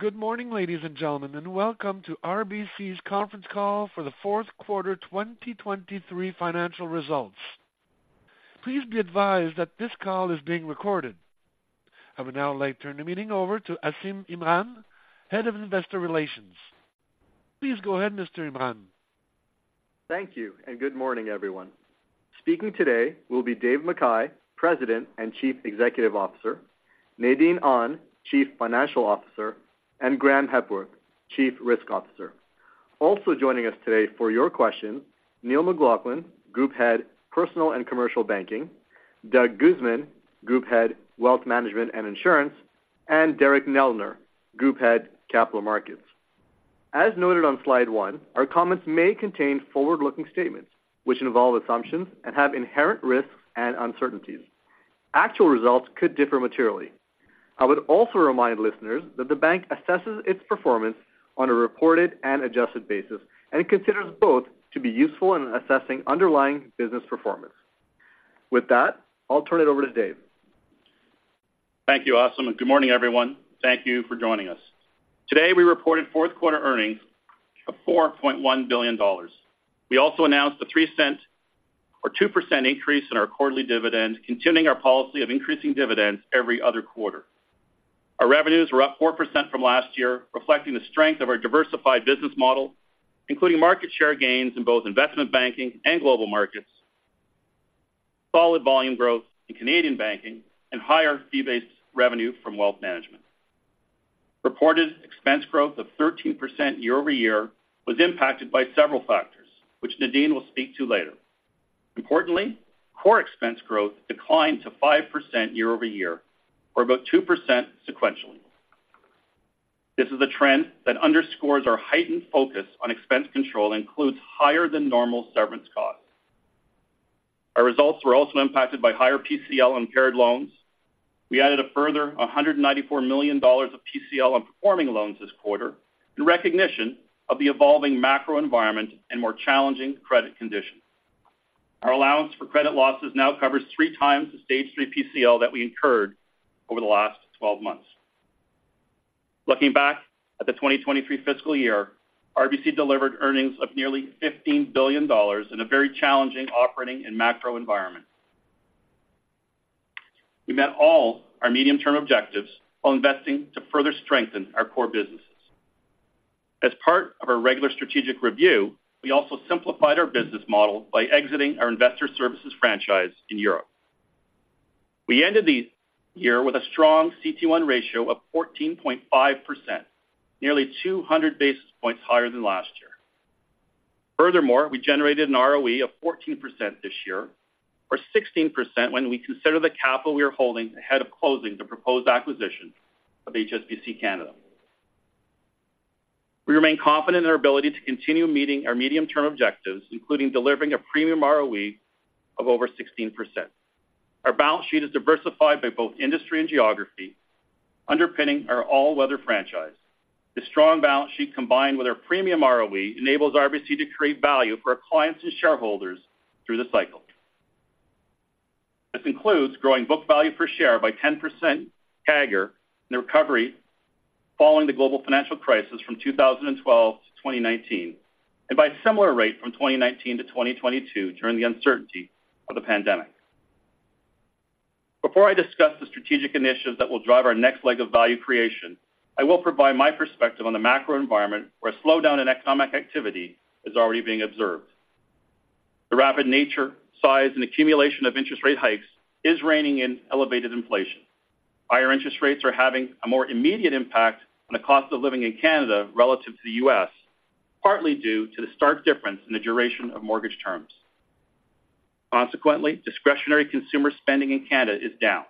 Good morning, ladies and gentlemen, and welcome to RBC's conference call for the fourth quarter, 2023 financial results. Please be advised that this call is being recorded. I would now like to turn the meeting over to Asim Imran, Head of Investor Relations. Please go ahead, Mr. Imran. Thank you, and good morning, everyone. Speaking today will be Dave McKay, President and Chief Executive Officer, Nadine Ahn, Chief Financial Officer, and Graeme Hepworth, Chief Risk Officer. Also joining us today for your questions, Neil McLaughlin, Group Head, Personal and Commercial Banking; Doug Guzman, Group Head, Wealth Management and Insurance; and Derek Neldner, Group Head, Capital Markets. As noted on slide one, our comments may contain forward-looking statements, which involve assumptions and have inherent risks and uncertainties. Actual results could differ materially. I would also remind listeners that the bank assesses its performance on a reported and adjusted basis, and considers both to be useful in assessing underlying business performance. With that, I'll turn it over to Dave. Thank you, Asim, and good morning, everyone. Thank you for joining us. Today, we reported fourth quarter earnings of 4.1 billion dollars. We also announced a 0.03 or 2% increase in our quarterly dividend, continuing our policy of increasing dividends every other quarter. Our revenues were up 4% from last year, reflecting the strength of our diversified business model, including market share gains in both investment banking and global markets, solid volume growth in Canadian banking, and higher fee-based revenue from wealth management. Reported expense growth of 13% year-over-year was impacted by several factors, which Nadine will speak to later. Importantly, core expense growth declined to 5% year-over-year, or about 2% sequentially. This is a trend that underscores our heightened focus on expense control and includes higher than normal severance costs. Our results were also impacted by higher PCL on impaired loans. We added a further 194 million dollars of PCL on performing loans this quarter, in recognition of the evolving macro environment and more challenging credit conditions. Our allowance for credit losses now covers 3x the Stage 3 PCL that we incurred over the last 12 months. Looking back at the 2023 fiscal year, RBC delivered earnings of nearly 15 billion dollars in a very challenging operating and macro environment. We met all our medium-term objectives while investing to further strengthen our core businesses. As part of our regular strategic review, we also simplified our business model by exiting our investor services franchise in Europe. We ended the year with a strong CET1 ratio of 14.5%, nearly 200 basis points higher than last year. Furthermore, we generated an ROE of 14% this year, or 16% when we consider the capital we are holding ahead of closing the proposed acquisition of HSBC Canada. We remain confident in our ability to continue meeting our medium-term objectives, including delivering a premium ROE of over 16%. Our balance sheet is diversified by both industry and geography, underpinning our all-weather franchise. The strong balance sheet, combined with our premium ROE, enables RBC to create value for our clients and shareholders through the cycle. This includes growing book value per share by 10% CAGR in the recovery following the global financial crisis from 2012 to 2019, and by a similar rate from 2019 to 2022 during the uncertainty of the pandemic. Before I discuss the strategic initiatives that will drive our next leg of value creation, I will provide my perspective on the macro environment, where a slowdown in economic activity is already being observed. The rapid nature, size, and accumulation of interest rate hikes is reining in elevated inflation. Higher interest rates are having a more immediate impact on the cost of living in Canada relative to the U.S., partly due to the stark difference in the duration of mortgage terms. Consequently, discretionary consumer spending in Canada is down,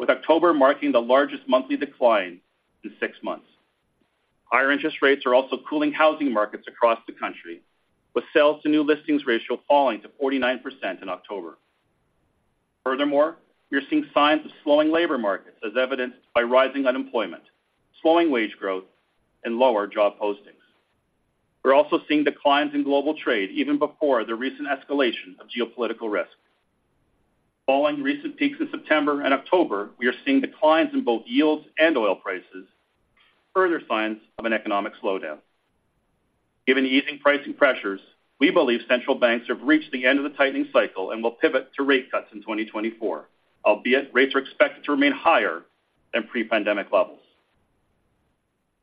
with October marking the largest monthly decline in 6 months. Higher interest rates are also cooling housing markets across the country, with sales to new listings ratio falling to 49% in October. Furthermore, we are seeing signs of slowing labor markets, as evidenced by rising unemployment, slowing wage growth, and lower job postings. We're also seeing declines in global trade even before the recent escalation of geopolitical risks. Following recent peaks in September and October, we are seeing declines in both yields and oil prices, further signs of an economic slowdown. Given the easing pricing pressures, we believe central banks have reached the end of the tightening cycle and will pivot to rate cuts in 2024, albeit rates are expected to remain higher than pre-pandemic levels.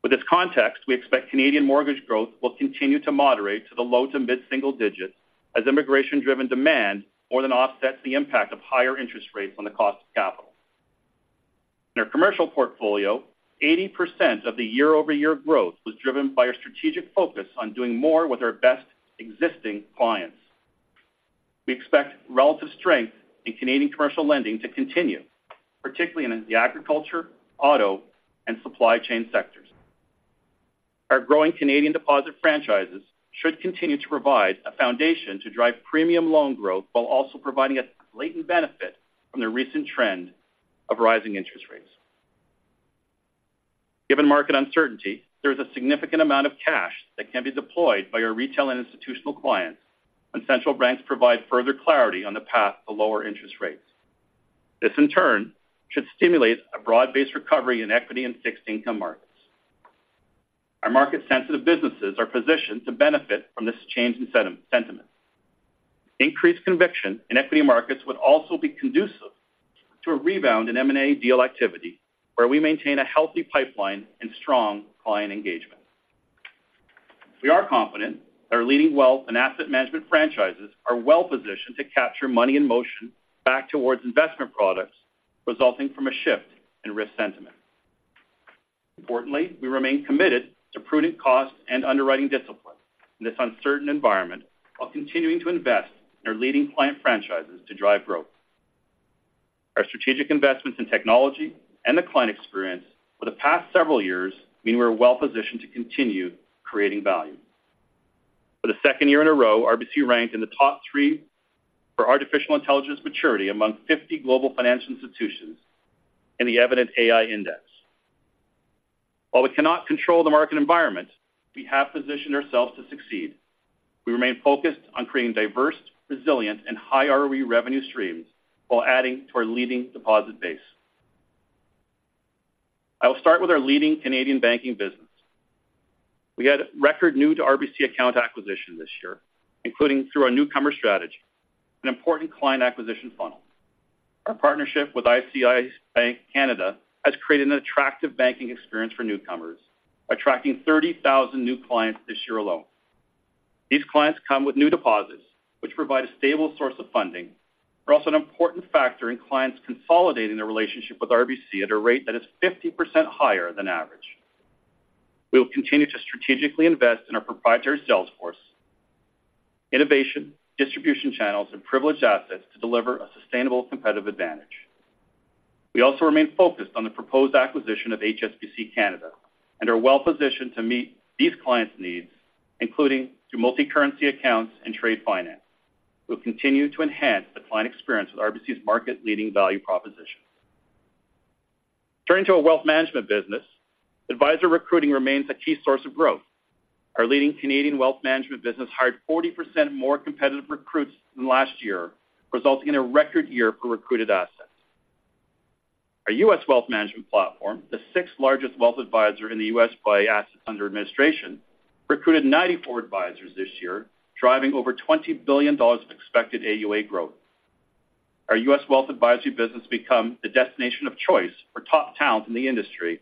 With this context, we expect Canadian mortgage growth will continue to moderate to the low to mid-single digits as immigration-driven demand more than offsets the impact of higher interest rates on the cost of capital. In our commercial portfolio, 80% of the year-over-year growth was driven by our strategic focus on doing more with our best existing clients. We expect relative strength in Canadian commercial lending to continue, particularly in the agriculture, auto, and supply chain sectors. Our growing Canadian deposit franchises should continue to provide a foundation to drive premium loan growth while also providing a latent benefit from the recent trend of rising interest rates. Given market uncertainty, there is a significant amount of cash that can be deployed by our retail and institutional clients when central banks provide further clarity on the path to lower interest rates.... This, in turn, should stimulate a broad-based recovery in equity and fixed income markets. Our market-sensitive businesses are positioned to benefit from this change in sentiment. Increased conviction in equity markets would also be conducive to a rebound in M&A deal activity, where we maintain a healthy pipeline and strong client engagement. We are confident that our leading wealth and asset management franchises are well-positioned to capture money in motion back towards investment products, resulting from a shift in risk sentiment. Importantly, we remain committed to prudent cost and underwriting discipline in this uncertain environment, while continuing to invest in our leading client franchises to drive growth. Our strategic investments in technology and the client experience for the past several years mean we're well positioned to continue creating value. For the second year in a row, RBC ranked in the top three for artificial intelligence maturity among 50 global financial institutions in the Evident AI Index. While we cannot control the market environment, we have positioned ourselves to succeed. We remain focused on creating diverse, resilient, and high ROE revenue streams while adding to our leading deposit base. I will start with our leading Canadian banking business. We had record new to RBC account acquisition this year, including through our newcomer strategy, an important client acquisition funnel. Our partnership with ICICI Bank Canada has created an attractive banking experience for newcomers, attracting 30,000 new clients this year alone. These clients come with new deposits, which provide a stable source of funding, but also an important factor in clients consolidating their relationship with RBC at a rate that is 50% higher than average. We will continue to strategically invest in our proprietary sales force, innovation, distribution channels, and privileged assets to deliver a sustainable competitive advantage. We also remain focused on the proposed acquisition of HSBC Canada and are well-positioned to meet these clients' needs, including through multicurrency accounts and trade finance. We'll continue to enhance the client experience with RBC's market-leading value proposition. Turning to our wealth management business, advisor recruiting remains a key source of growth. Our leading Canadian wealth management business hired 40% more competitive recruits than last year, resulting in a record year for recruited assets. Our U.S. wealth management platform, the sixth-largest wealth advisor in the U.S. by Assets Under Administration, recruited 94 advisors this year, driving over $20 billion of expected AUA growth. Our U.S. wealth advisory business become the destination of choice for top talent in the industry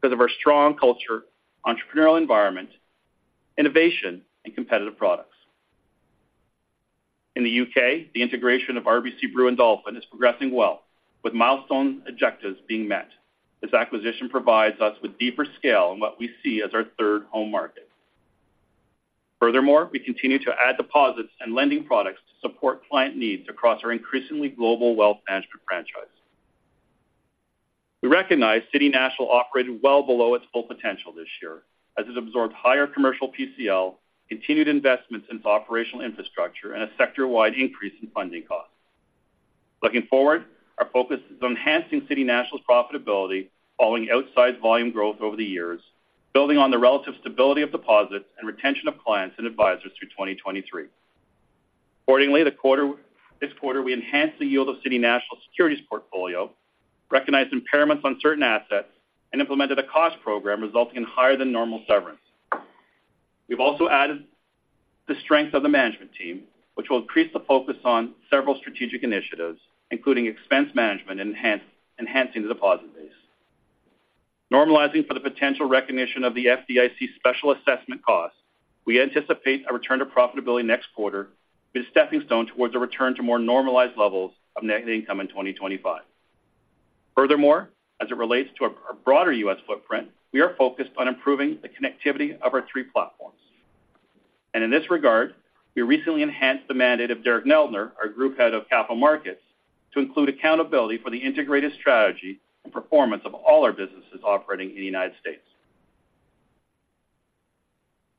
because of our strong culture, entrepreneurial environment, innovation, and competitive products. In the U.K., the integration of RBC Brewin Dolphin is progressing well, with milestone objectives being met. This acquisition provides us with deeper scale in what we see as our third home market. Furthermore, we continue to add deposits and lending products to support client needs across our increasingly global wealth management franchise. We recognize City National operated well below its full potential this year, as it absorbed higher commercial PCL, continued investments into operational infrastructure, and a sector-wide increase in funding costs. Looking forward, our focus is on enhancing City National's profitability, following outsized volume growth over the years, building on the relative stability of deposits and retention of clients and advisors through 2023. Accordingly, this quarter, we enhanced the yield of City National's securities portfolio, recognized impairments on certain assets, and implemented a cost program resulting in higher than normal severance. We've also added the strength of the management team, which will increase the focus on several strategic initiatives, including expense management and enhancing the deposit base. Normalizing for the potential recognition of the FDIC special assessment costs, we anticipate a return to profitability next quarter with a stepping stone towards a return to more normalized levels of net income in 2025. Furthermore, as it relates to our broader U.S. footprint, we are focused on improving the connectivity of our three platforms. In this regard, we recently enhanced the mandate of Derek Neldner, our Group Head of Capital Markets, to include accountability for the integrated strategy and performance of all our businesses operating in the United States.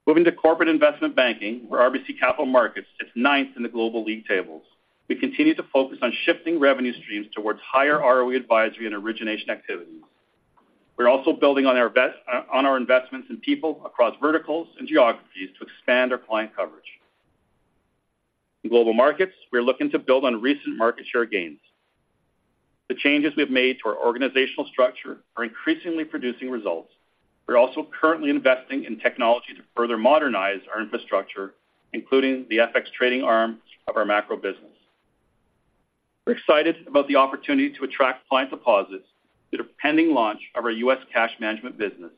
Moving to corporate investment banking, where RBC Capital Markets sits ninth in the global league tables, we continue to focus on shifting revenue streams towards higher ROE advisory and origination activities. We're also building on our investments in people across verticals and geographies to expand our client coverage. In global markets, we are looking to build on recent market share gains. The changes we have made to our organizational structure are increasingly producing results. We're also currently investing in technology to further modernize our infrastructure, including the FX trading arm of our macro business. We're excited about the opportunity to attract client deposits due to pending launch of our U.S. cash management business,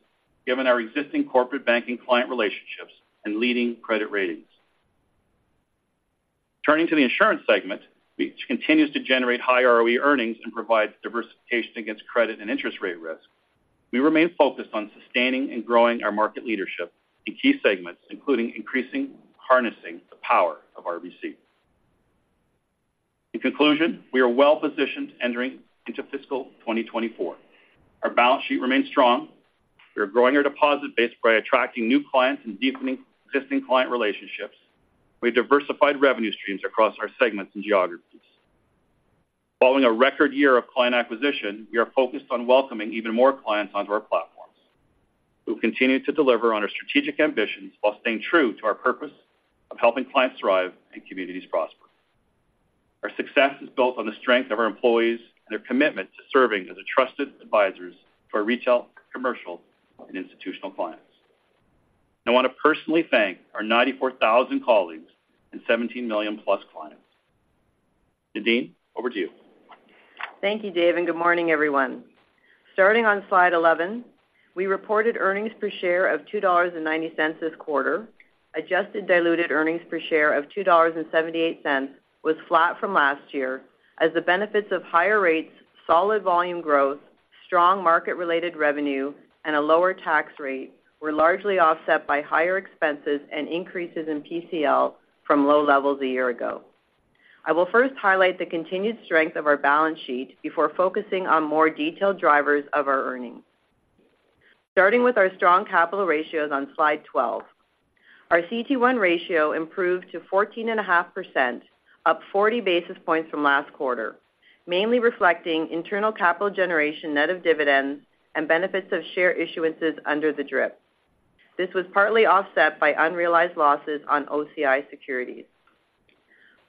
given our existing corporate banking client relationships and leading credit ratings. Turning to the insurance segment, which continues to generate high ROE earnings and provides diversification against credit and interest rate risk, we remain focused on sustaining and growing our market leadership in key segments, including increasing, harnessing the power of RBC. In conclusion, we are well-positioned entering into fiscal 2024. Our balance sheet remains strong. We are growing our deposit base by attracting new clients and deepening existing client relationships. We diversified revenue streams across our segments and geographies. Following a record year of client acquisition, we are focused on welcoming even more clients onto our platform.... We'll continue to deliver on our strategic ambitions, while staying true to our purpose of helping clients thrive and communities prosper. Our success is built on the strength of our employees and their commitment to serving as a trusted advisors to our retail, commercial, and institutional clients. I want to personally thank our 94,000 colleagues and 17 million+ clients. Nadine, over to you. Thank you, Dave, and good morning, everyone. Starting on slide 11, we reported earnings per share of 2.90 dollars this quarter. Adjusted diluted earnings per share of 2.78 dollars was flat from last year, as the benefits of higher rates, solid volume growth, strong market-related revenue, and a lower tax rate were largely offset by higher expenses and increases in PCL from low levels a year ago. I will first highlight the continued strength of our balance sheet before focusing on more detailed drivers of our earnings. Starting with our strong capital ratios on slide 12. Our CET1 ratio improved to 14.5%, up 40 basis points from last quarter, mainly reflecting internal capital generation net of dividends and benefits of share issuances under the DRIP. This was partly offset by unrealized losses on OCI securities.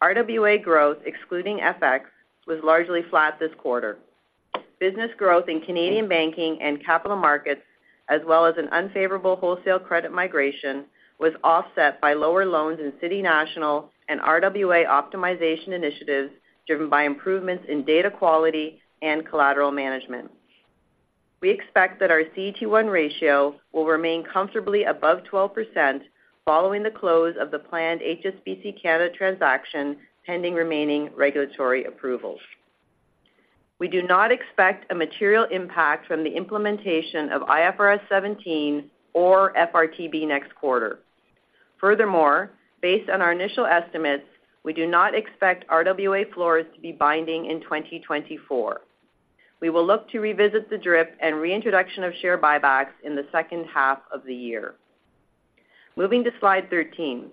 RWA growth, excluding FX, was largely flat this quarter. Business growth in Canadian banking and capital markets, as well as an unfavorable wholesale credit migration, was offset by lower loans in City National and RWA optimization initiatives, driven by improvements in data quality and collateral management. We expect that our CET1 ratio will remain comfortably above 12% following the close of the planned HSBC Canada transaction, pending remaining regulatory approvals. We do not expect a material impact from the implementation of IFRS 17 or FRTB next quarter. Furthermore, based on our initial estimates, we do not expect RWA floors to be binding in 2024. We will look to revisit the DRIP and reintroduction of share buybacks in the second half of the year. Moving to slide 13.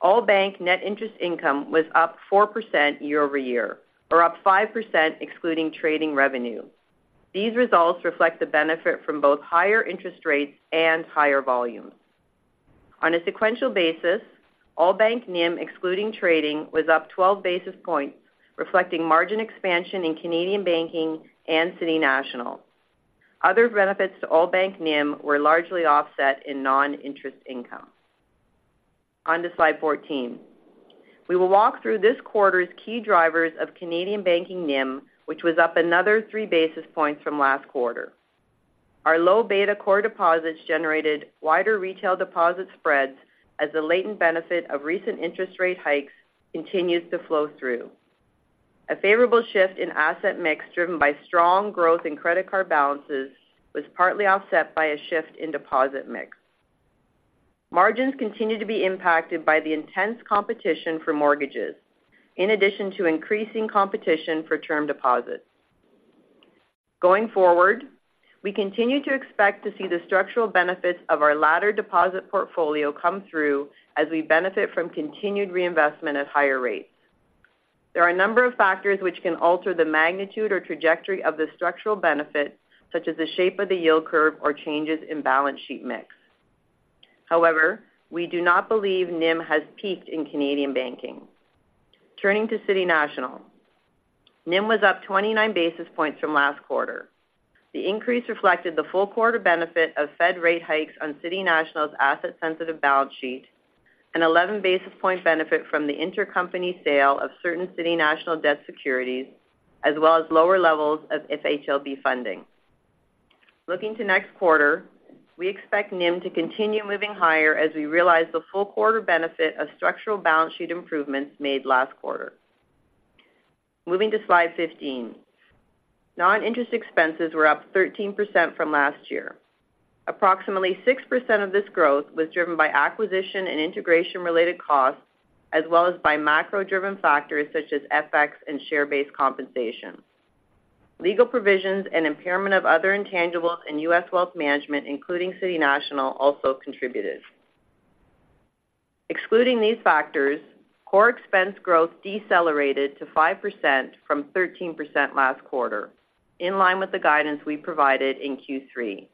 All bank net interest income was up 4% year-over-year, or up 5%, excluding trading revenue. These results reflect the benefit from both higher interest rates and higher volumes. On a sequential basis, all bank NIM, excluding trading, was up 12 basis points, reflecting margin expansion in Canadian banking and City National. Other benefits to all bank NIM were largely offset in non-interest income. On to slide 14. We will walk through this quarter's key drivers of Canadian banking NIM, which was up another 3 basis points from last quarter. Our low beta core deposits generated wider retail deposit spreads as the latent benefit of recent interest rate hikes continues to flow through. A favorable shift in asset mix, driven by strong growth in credit card balances, was partly offset by a shift in deposit mix. Margins continued to be impacted by the intense competition for mortgages, in addition to increasing competition for term deposits. Going forward, we continue to expect to see the structural benefits of our latter deposit portfolio come through as we benefit from continued reinvestment at higher rates. There are a number of factors which can alter the magnitude or trajectory of the structural benefit, such as the shape of the yield curve or changes in balance sheet mix. However, we do not believe NIM has peaked in Canadian banking. Turning to City National. NIM was up 29 basis points from last quarter. The increase reflected the full quarter benefit of Fed rate hikes on City National's asset-sensitive balance sheet, an 11 basis point benefit from the intercompany sale of certain City National debt securities, as well as lower levels of FHLB funding. Looking to next quarter, we expect NIM to continue moving higher as we realize the full quarter benefit of structural balance sheet improvements made last quarter. Moving to slide 15. Non-interest expenses were up 13% from last year. Approximately 6% of this growth was driven by acquisition and integration-related costs, as well as by macro-driven factors such as FX and share-based compensation. Legal provisions and impairment of other intangibles in U.S. wealth management, including City National, also contributed. Excluding these factors, core expense growth decelerated to 5% from 13% last quarter, in line with the guidance we provided in Q3.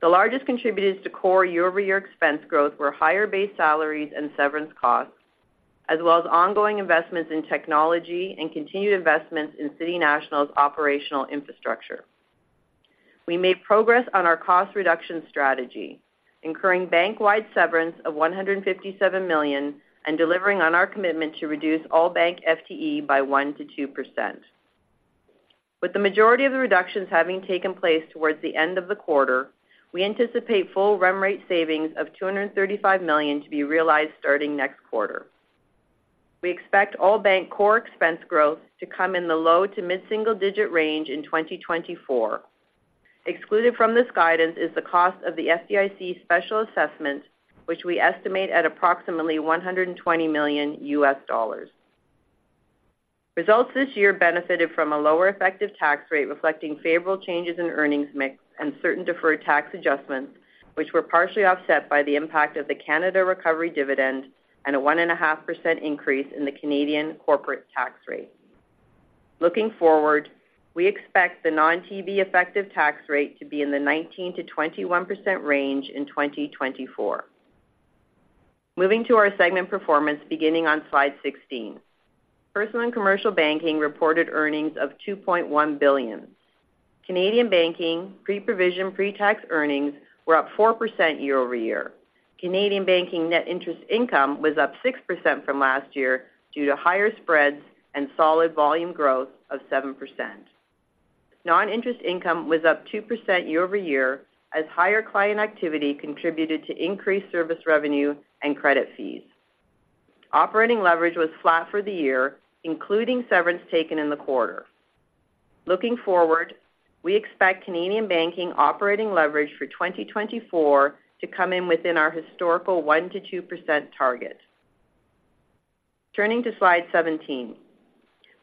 The largest contributors to core year-over-year expense growth were higher base salaries and severance costs, as well as ongoing investments in technology and continued investments in City National's operational infrastructure. We made progress on our cost reduction strategy, incurring bank-wide severance of 157 million, and delivering on our commitment to reduce all bank FTE by 1%-2%. With the majority of the reductions having taken place towards the end of the quarter, we anticipate full run rate savings of 235 million to be realized starting next quarter. We expect all bank core expense growth to come in the low- to mid-single-digit range in 2024. Excluded from this guidance is the cost of the FDIC special assessment, which we estimate at approximately $120 million. Results this year benefited from a lower effective tax rate, reflecting favorable changes in earnings mix and certain deferred tax adjustments, which were partially offset by the impact of the Canada Recovery Dividend and a 1.5% increase in the Canadian corporate tax rate. Looking forward, we expect the non-TEB effective tax rate to be in the 19%-21% range in 2024. Moving to our segment performance, beginning on slide 16. Personal and commercial banking reported earnings of 2.1 billion Canadian dollars. Canadian banking, pre-provision, pre-tax earnings were up 4% year-over-year. Canadian banking net interest income was up 6% from last year due to higher spreads and solid volume growth of 7%. Non-interest income was up 2% year-over-year, as higher client activity contributed to increased service revenue and credit fees. Operating leverage was flat for the year, including severance taken in the quarter. Looking forward, we expect Canadian banking operating leverage for 2024 to come in within our historical 1%-2% target. Turning to slide 17.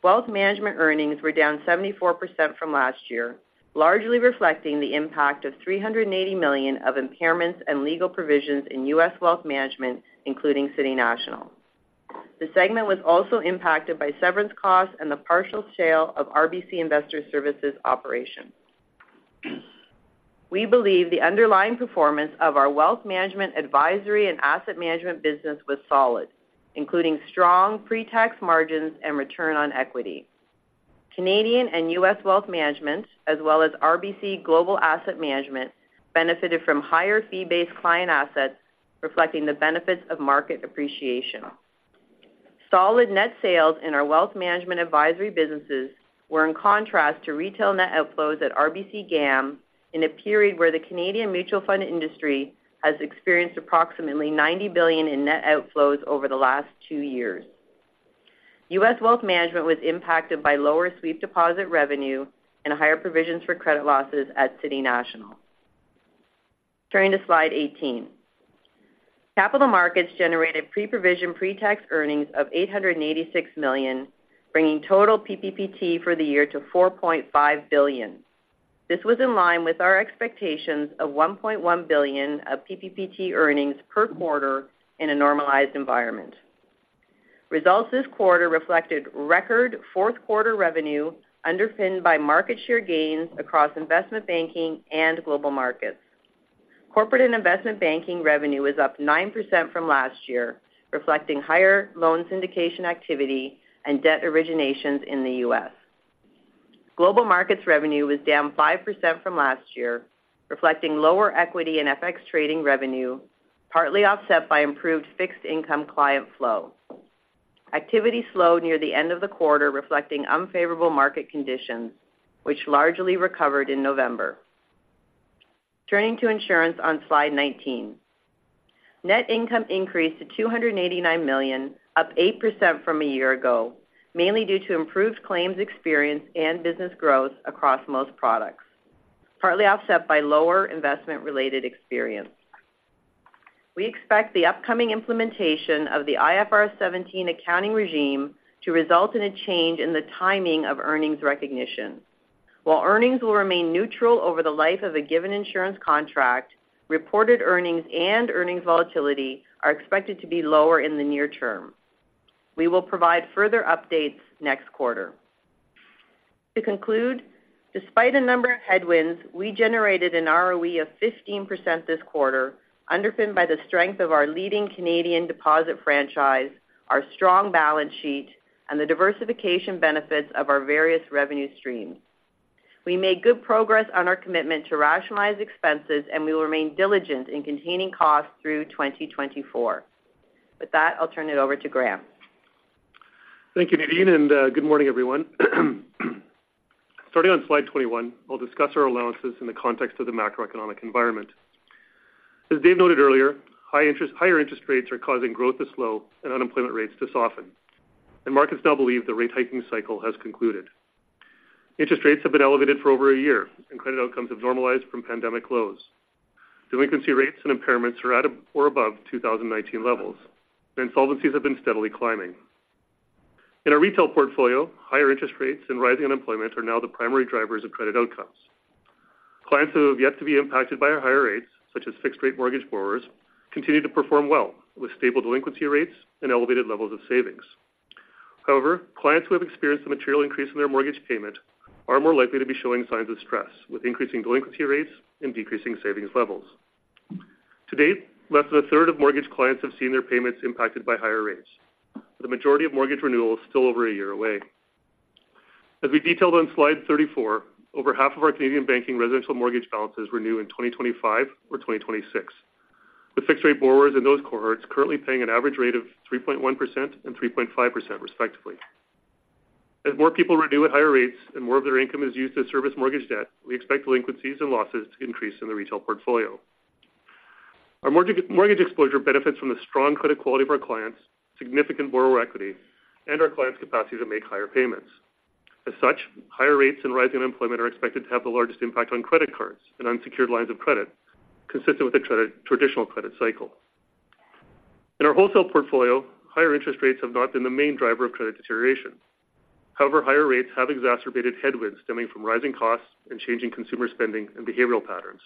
Wealth management earnings were down 74% from last year, largely reflecting the impact of 380 million of impairments and legal provisions in US wealth management, including City National. The segment was also impacted by severance costs and the partial sale of RBC Investor Services operations. We believe the underlying performance of our wealth management advisory and asset management business was solid, including strong pre-tax margins and return on equity. Canadian and U.S. wealth management, as well as RBC Global Asset Management, benefited from higher fee-based client assets, reflecting the benefits of market appreciation. Solid net sales in our wealth management advisory businesses were in contrast to retail net outflows at RBC GAM, in a period where the Canadian mutual fund industry has experienced approximately 90 billion in net outflows over the last 2 years. U.S. wealth management was impacted by lower sweep deposit revenue and higher provisions for credit losses at City National. Turning to slide 18. Capital Markets generated pre-provision, pre-tax earnings of 886 million, bringing total PPPT for the year to 4.5 billion. This was in line with our expectations of 1.1 billion of PPPT earnings per quarter in a normalized environment. Results this quarter reflected record fourth quarter revenue, underpinned by market share gains across investment banking and global markets. Corporate and investment banking revenue is up 9% from last year, reflecting higher loan syndication activity and debt originations in the U.S. Global markets revenue was down 5% from last year, reflecting lower equity and FX trading revenue, partly offset by improved fixed income client flow. Activity slowed near the end of the quarter, reflecting unfavorable market conditions, which largely recovered in November. Turning to Insurance on slide 19. Net income increased to 289 million, up 8% from a year ago, mainly due to improved claims experience and business growth across most products, partly offset by lower investment-related experience. We expect the upcoming implementation of the IFRS 17 accounting regime to result in a change in the timing of earnings recognition. While earnings will remain neutral over the life of a given insurance contract, reported earnings and earnings volatility are expected to be lower in the near term. We will provide further updates next quarter. To conclude, despite a number of headwinds, we generated an ROE of 15% this quarter, underpinned by the strength of our leading Canadian deposit franchise, our strong balance sheet, and the diversification benefits of our various revenue streams. We made good progress on our commitment to rationalize expenses, and we will remain diligent in containing costs through 2024. With that, I'll turn it over to Graeme. Thank you, Nadine, and good morning, everyone. Starting on slide 21, I'll discuss our allowances in the context of the macroeconomic environment. As Dave noted earlier, high interest, higher interest rates are causing growth to slow and unemployment rates to soften, and markets now believe the rate hiking cycle has concluded. Interest rates have been elevated for over a year, and credit outcomes have normalized from pandemic lows. Delinquency rates and impairments are at or above 2019 levels, and insolvencies have been steadily climbing. In our retail portfolio, higher interest rates and rising unemployment are now the primary drivers of credit outcomes. Clients who have yet to be impacted by our higher rates, such as fixed-rate mortgage borrowers, continue to perform well, with stable delinquency rates and elevated levels of savings. However, clients who have experienced a material increase in their mortgage payment are more likely to be showing signs of stress, with increasing delinquency rates and decreasing savings levels. To date, less than a third of mortgage clients have seen their payments impacted by higher rates, with the majority of mortgage renewals still over a year away. As we detailed on slide 34, over half of our Canadian banking residential mortgage balances renew in 2025 or 2026, with fixed-rate borrowers in those cohorts currently paying an average rate of 3.1% and 3.5% respectively. As more people renew at higher rates and more of their income is used to service mortgage debt, we expect delinquencies and losses to increase in the retail portfolio. Our mortgage, mortgage exposure benefits from the strong credit quality of our clients, significant borrower equity, and our clients' capacity to make higher payments. As such, higher rates and rising unemployment are expected to have the largest impact on credit cards and unsecured lines of credit, consistent with the credit, traditional credit cycle. In our wholesale portfolio, higher interest rates have not been the main driver of credit deterioration. However, higher rates have exacerbated headwinds stemming from rising costs and changing consumer spending and behavioral patterns.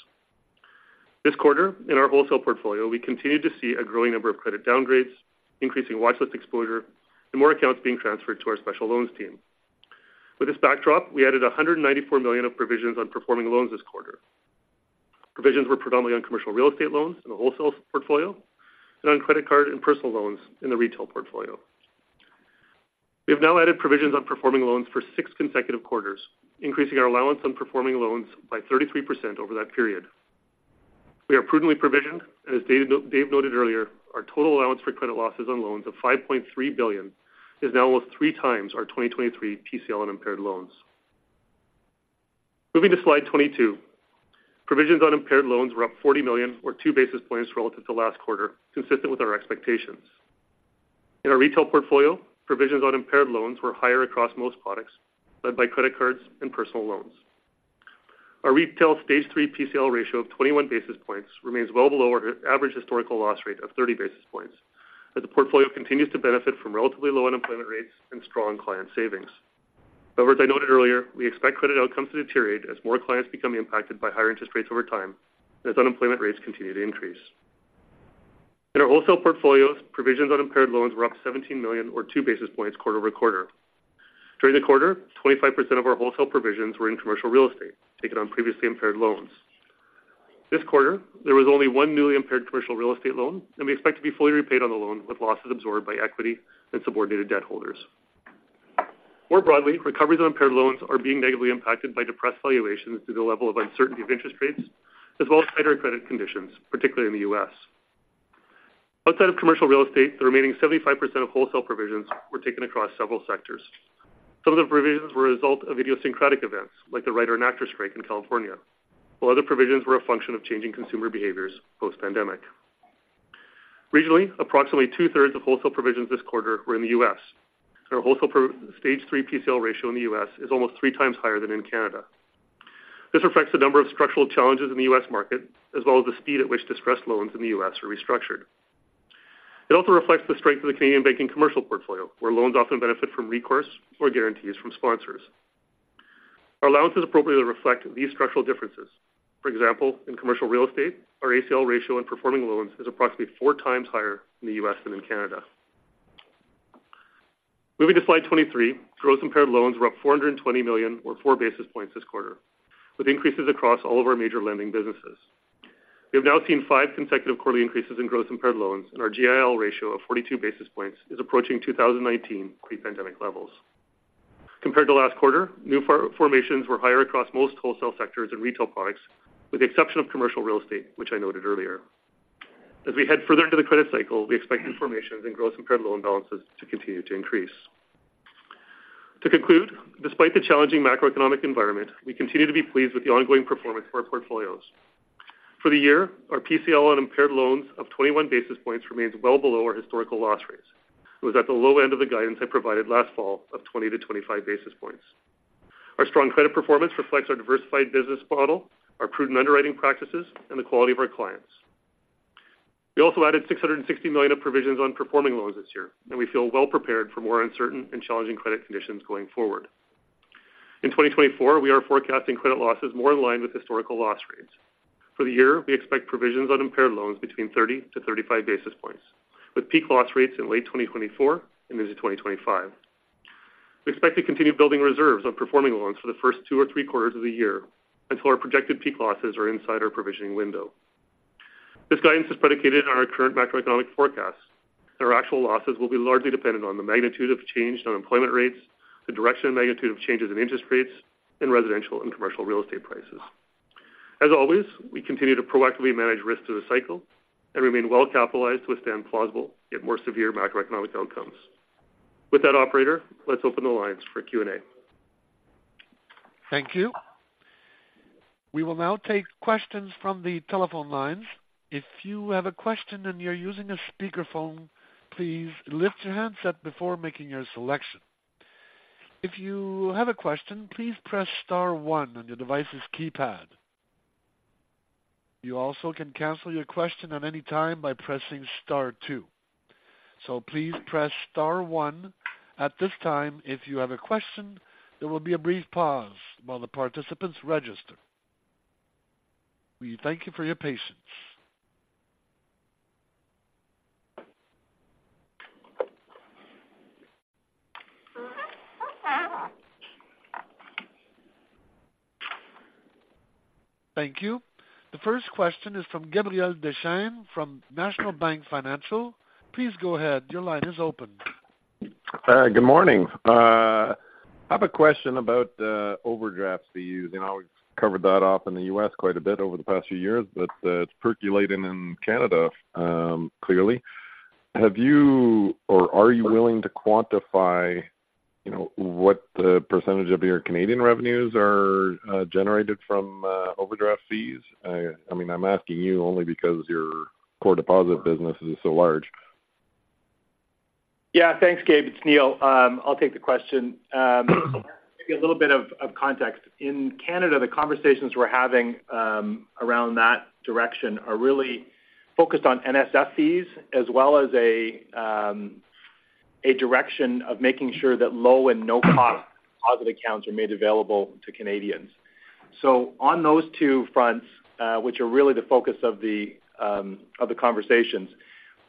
This quarter, in our wholesale portfolio, we continued to see a growing number of credit downgrades, increasing watchlist exposure, and more accounts being transferred to our special loans team. With this backdrop, we added 194 million of provisions on performing loans this quarter. Provisions were predominantly on commercial real estate loans in the wholesale portfolio and on credit card and personal loans in the retail portfolio. We have now added provisions on performing loans for 6 consecutive quarters, increasing our allowance on performing loans by 33% over that period. We are prudently provisioned, and as Dave noted earlier, our total allowance for credit losses on loans of 5.3 billion is now almost three times our 2023 PCL on impaired loans. Moving to slide 22. Provisions on impaired loans were up 40 million, or 2 basis points relative to last quarter, consistent with our expectations. In our retail portfolio, provisions on impaired loans were higher across most products, led by credit cards and personal loans. Our retail Stage 3 PCL ratio of 21 basis points remains well below our average historical loss rate of 30 basis points, as the portfolio continues to benefit from relatively low unemployment rates and strong client savings. However, as I noted earlier, we expect credit outcomes to deteriorate as more clients become impacted by higher interest rates over time and as unemployment rates continue to increase. In our wholesale portfolios, provisions on impaired loans were up 17 million or 2 basis points quarter-over-quarter. During the quarter, 25% of our wholesale provisions were in commercial real estate, taken on previously impaired loans. This quarter, there was only 1 newly impaired commercial real estate loan, and we expect to be fully repaid on the loan, with losses absorbed by equity and subordinated debt holders. More broadly, recoveries on impaired loans are being negatively impacted by depressed valuations due to the level of uncertainty of interest rates, as well as tighter credit conditions, particularly in the U.S. Outside of commercial real estate, the remaining 75% of wholesale provisions were taken across several sectors. Some of the provisions were a result of idiosyncratic events, like the writer and actor strike in California, while other provisions were a function of changing consumer behaviors post-pandemic. Regionally, approximately two-thirds of wholesale provisions this quarter were in the U.S. Our wholesale Stage 3 PCL ratio in the U.S. is almost three times higher than in Canada. This reflects the number of structural challenges in the U.S. market, as well as the speed at which distressed loans in the U.S. are restructured. It also reflects the strength of the Canadian banking commercial portfolio, where loans often benefit from recourse or guarantees from sponsors. Our allowances appropriately reflect these structural differences. For example, in commercial real estate, our ACL ratio in performing loans is approximately 4x higher in the U.S. than in Canada. Moving to slide 23, gross impaired loans were up 420 million, or 4 basis points this quarter, with increases across all of our major lending businesses. We have now seen five consecutive quarterly increases in gross impaired loans, and our GIL ratio of 42 basis points is approaching 2019 pre-pandemic levels. Compared to last quarter, new formations were higher across most wholesale sectors and retail products, with the exception of commercial real estate, which I noted earlier. As we head further into the credit cycle, we expect new formations and gross impaired loan balances to continue to increase. To conclude, despite the challenging macroeconomic environment, we continue to be pleased with the ongoing performance of our portfolios. For the year, our PCL on impaired loans of 21 basis points remains well below our historical loss rates. It was at the low end of the guidance I provided last fall of 20 basis points-25 basis points. Our strong credit performance reflects our diversified business model, our prudent underwriting practices, and the quality of our clients. We also added 660 million of provisions on performing loans this year, and we feel well prepared for more uncertain and challenging credit conditions going forward. In 2024, we are forecasting credit losses more in line with historical loss rates. For the year, we expect provisions on impaired loans between 30-35 basis points, with peak loss rates in late 2024 and into 2025. We expect to continue building reserves on performing loans for the first two or three quarters of the year until our projected peak losses are inside our provisioning window. This guidance is predicated on our current macroeconomic forecasts, and our actual losses will be largely dependent on the magnitude of change in unemployment rates, the direction and magnitude of changes in interest rates, and residential and commercial real estate prices. As always, we continue to proactively manage risks to the cycle and remain well capitalized to withstand plausible, yet more severe macroeconomic outcomes. With that, operator, let's open the lines for Q&A. Thank you. We will now take questions from the telephone lines. If you have a question and you're using a speakerphone, please lift your handset before making your selection. If you have a question, please press star one on your device's keypad. You also can cancel your question at any time by pressing star two. Please press star one at this time if you have a question. There will be a brief pause while the participants register. We thank you for your patience. Thank you. The first question is from Gabriel Dechaine from National Bank Financial. Please go ahead. Your line is open. Good morning. I have a question about overdraft fees. You know, we've covered that off in the U.S. quite a bit over the past few years, but it's percolating in Canada, clearly. Have you or are you willing to quantify, you know, what the percentage of your Canadian revenues are generated from overdraft fees? I mean, I'm asking you only because your core deposit business is so large. Yeah, thanks, Gabe. It's Neil. I'll take the question. Maybe a little bit of context. In Canada, the conversations we're having around that direction are really focused on NSF fees, as well as a- ... a direction of making sure that low and no cost deposit accounts are made available to Canadians. So on those two fronts, which are really the focus of the conversations,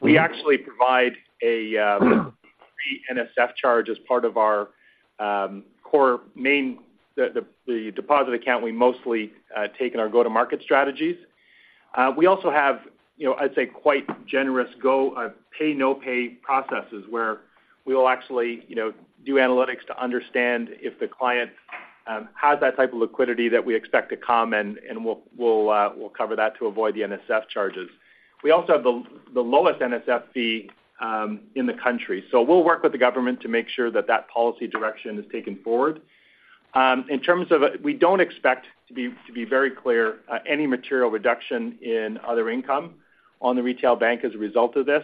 we actually provide a free NSF charge as part of our core main, the deposit account we mostly take in our go-to-market strategies. We also have, you know, I'd say, quite generous go pay no pay processes, where we will actually, you know, do analytics to understand if the client has that type of liquidity that we expect to come, and we'll cover that to avoid the NSF charges. We also have the lowest NSF fee in the country. So we'll work with the government to make sure that policy direction is taken forward. In terms of, we don't expect, to be very clear, any material reduction in other income on the retail bank as a result of this.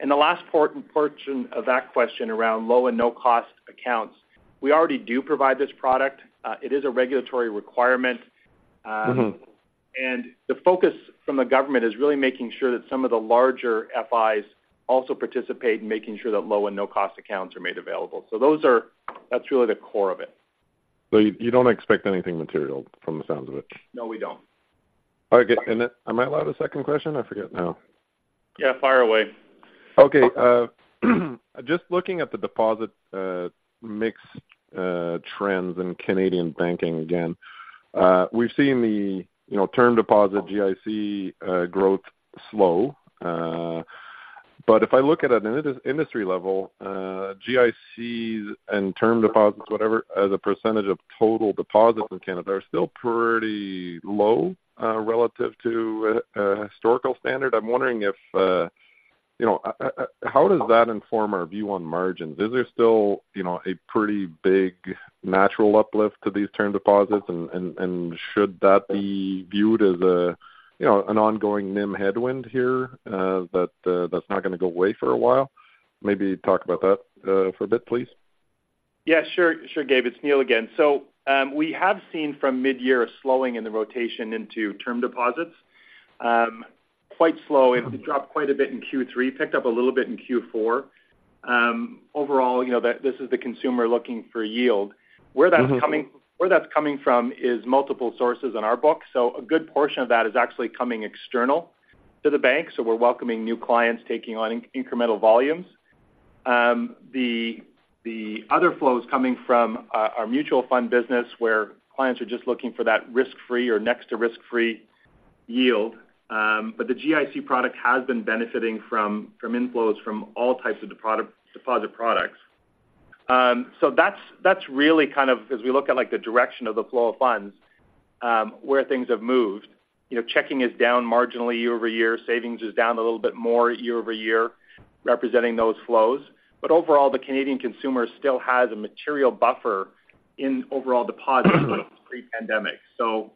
And the last portion of that question around low and no cost accounts, we already do provide this product. It is a regulatory requirement. Mm-hmm. and the focus from the government is really making sure that some of the larger FIs also participate in making sure that low and no cost accounts are made available. So those are, that's really the core of it. So you don't expect anything material from the sounds of it? No, we don't. All right. And am I allowed a second question? I forget now. Yeah, fire away. Okay. Just looking at the deposit mix trends in Canadian banking again. We've seen the, you know, term deposit GIC growth slow. But if I look at it at an industry level, GICs and term deposits, whatever, as a percentage of total deposits in Canada, are still pretty low relative to a historical standard. I'm wondering if, you know, how does that inform our view on margins? Is there still, you know, a pretty big natural uplift to these term deposits? And should that be viewed as a, you know, an ongoing NIM headwind here, that's not going to go away for a while? Maybe talk about that for a bit, please. Yeah. Sure, sure, Gabe, it's Neil again. So, we have seen from midyear a slowing in the rotation into term deposits. Quite slow. It dropped quite a bit in Q3, picked up a little bit in Q4. Overall, you know, that, this is the consumer looking for yield. Mm-hmm. Where that's coming from is multiple sources in our book. So a good portion of that is actually coming external to the bank. So we're welcoming new clients, taking on incremental volumes. The other flow is coming from our mutual fund business, where clients are just looking for that risk-free or next to risk-free yield. But the GIC product has been benefiting from inflows from all types of deposit products. So that's really kind of as we look at, like, the direction of the flow of funds, where things have moved. You know, checking is down marginally year over year. Savings is down a little bit more year over year, representing those flows. But overall, the Canadian consumer still has a material buffer in overall deposits pre-pandemic. You know,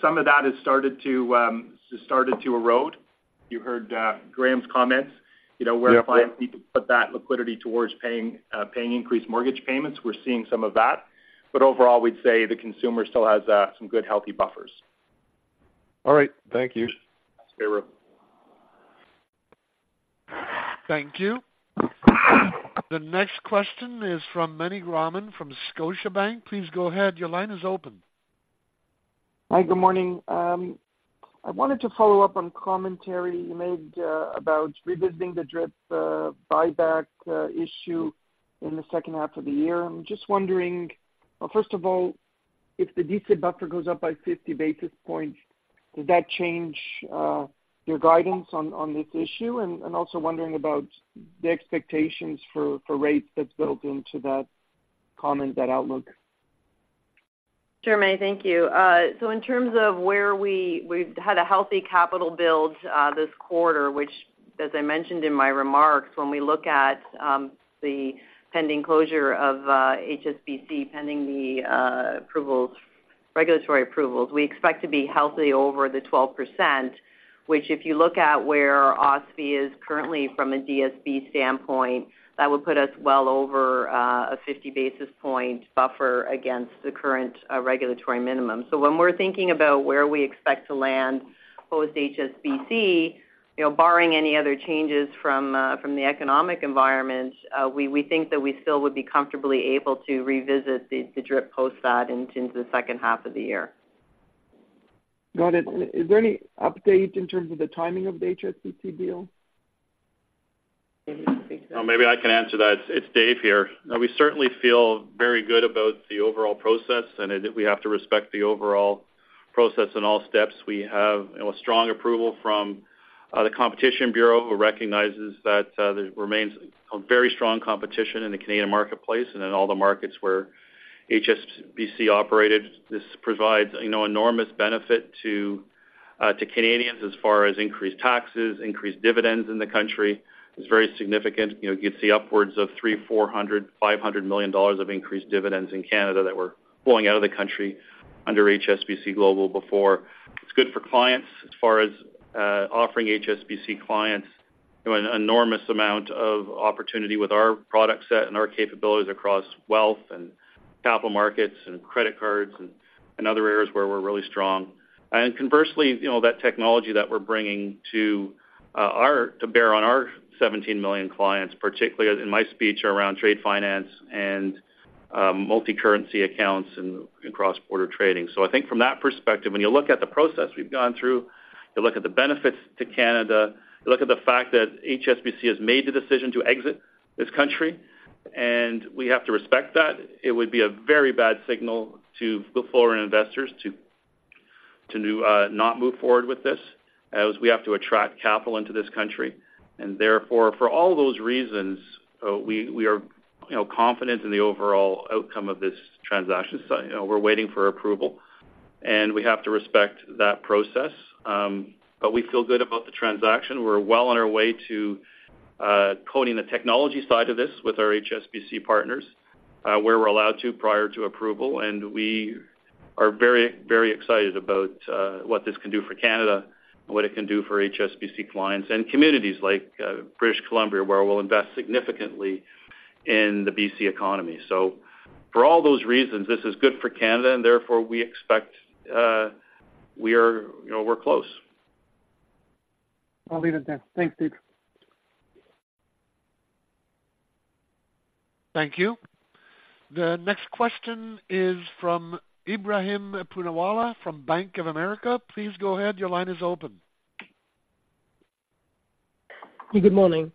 some of that has started to erode. You heard Graeme's comments. Yeah. You know, where clients need to put that liquidity towards paying, paying increased mortgage payments. We're seeing some of that, but overall, we'd say the consumer still has some good, healthy buffers. All right. Thank you. Okay, bye. Thank you. The next question is from Meny Grauman from Scotiabank. Please go ahead. Your line is open. Hi, good morning. I wanted to follow up on commentary you made about revisiting the DRIP buyback issue in the second half of the year. I'm just wondering, well, first of all, if the DSB buffer goes up by 50 basis points, does that change your guidance on this issue? And also wondering about the expectations for rates that's built into that comment, that outlook. Sure, Meny, thank you. So in terms of where we've had a healthy capital build this quarter, which, as I mentioned in my remarks, when we look at the pending closure of HSBC, pending the approvals, regulatory approvals, we expect to be healthy over the 12%. Which, if you look at where OSFI is currently from a DSB standpoint, that would put us well over a 50 basis point buffer against the current regulatory minimum. So when we're thinking about where we expect to land, post HSBC, you know, barring any other changes from the economic environment, we think that we still would be comfortably able to revisit the DRIP post that into the second half of the year. Got it. Is there any update in terms of the timing of the HSBC deal? Dave, do you want to take that? Maybe I can answer that. It's Dave here. We certainly feel very good about the overall process, and we have to respect the overall process and all steps. We have, you know, a strong approval from the Competition Bureau, who recognizes that there remains a very strong competition in the Canadian marketplace and in all the markets where HSBC operated. This provides, you know, enormous benefit to Canadians as far as increased taxes, increased dividends in the country. It's very significant. You know, you'd see upwards of 300 million-500 million dollars of increased dividends in Canada that were flowing out of the country under HSBC Global before. It's good for clients as far as offering HSBC clients, you know, an enormous amount of opportunity with our product set and our capabilities across wealth and capital markets and credit cards and other areas where we're really strong. And conversely, you know, that technology that we're bringing to bear on our 17 million clients, particularly in my speech, around trade finance and multicurrency accounts and cross-border trading. So I think from that perspective, when you look at the process we've gone through, you look at the benefits to Canada, you look at the fact that HSBC has made the decision to exit this country, and we have to respect that. It would be a very bad signal to foreign investors to not move forward with this, as we have to attract capital into this country. And therefore, for all those reasons, we are, you know, confident in the overall outcome of this transaction. So, you know, we're waiting for approval, and we have to respect that process. But we feel good about the transaction. We're well on our way to coding the technology side of this with our HSBC partners, where we're allowed to prior to approval. And we are very, very excited about what this can do for Canada and what it can do for HSBC clients and communities like British Columbia, where we'll invest significantly in the BC economy. So for all those reasons, this is good for Canada, and therefore, we expect, we are, you know, we're close. I'll leave it there. Thanks, Dave. Thank you. The next question is from Ebrahim Poonawala from Bank of America. Please go ahead. Your line is open. Good morning.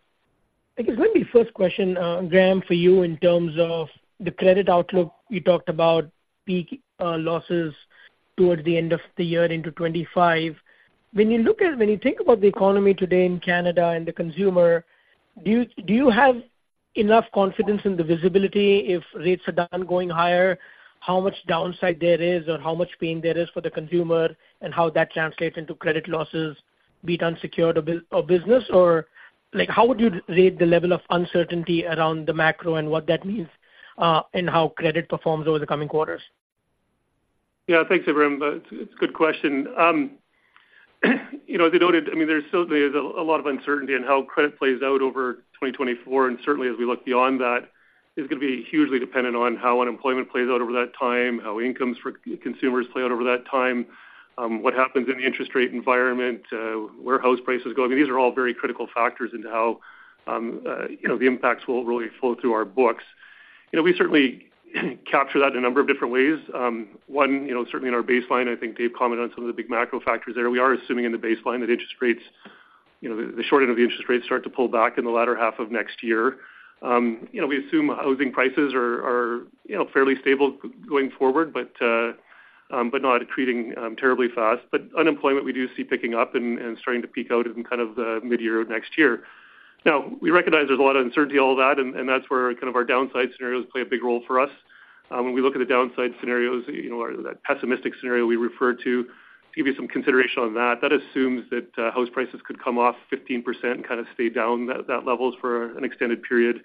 I guess let me first question, Graeme, for you in terms of the credit outlook. You talked about peak losses towards the end of the year into 2025. When you think about the economy today in Canada and the consumer, do you, do you have enough confidence in the visibility if rates are done going higher, how much downside there is or how much pain there is for the consumer, and how that translates into credit losses, be it unsecured or business? Or, like, how would you rate the level of uncertainty around the macro and what that means, and how credit performs over the coming quarters? Yeah, thanks, Ibrahim. It's a good question. You know, as I noted, I mean, there's still a lot of uncertainty in how credit plays out over 2024, and certainly as we look beyond that, it's going to be hugely dependent on how unemployment plays out over that time, how incomes for consumers play out over that time, what happens in the interest rate environment, where house prices go. I mean, these are all very critical factors into how the impacts will really flow through our books. You know, we certainly capture that in a number of different ways. One, you know, certainly in our baseline, I think Dave commented on some of the big macro factors there. We are assuming in the baseline that interest rates, you know, the shortening of the interest rates start to pull back in the latter half of next year. You know, we assume housing prices are, you know, fairly stable going forward, but, but not accreting terribly fast. But unemployment, we do see picking up and starting to peak out in kind of the mid-year of next year. Now, we recognize there's a lot of uncertainty, all of that, and that's where kind of our downside scenarios play a big role for us. When we look at the downside scenarios, you know, or that pessimistic scenario we refer to to give you some consideration on that, that assumes that house prices could come off 15% and kind of stay down at that level for an extended period.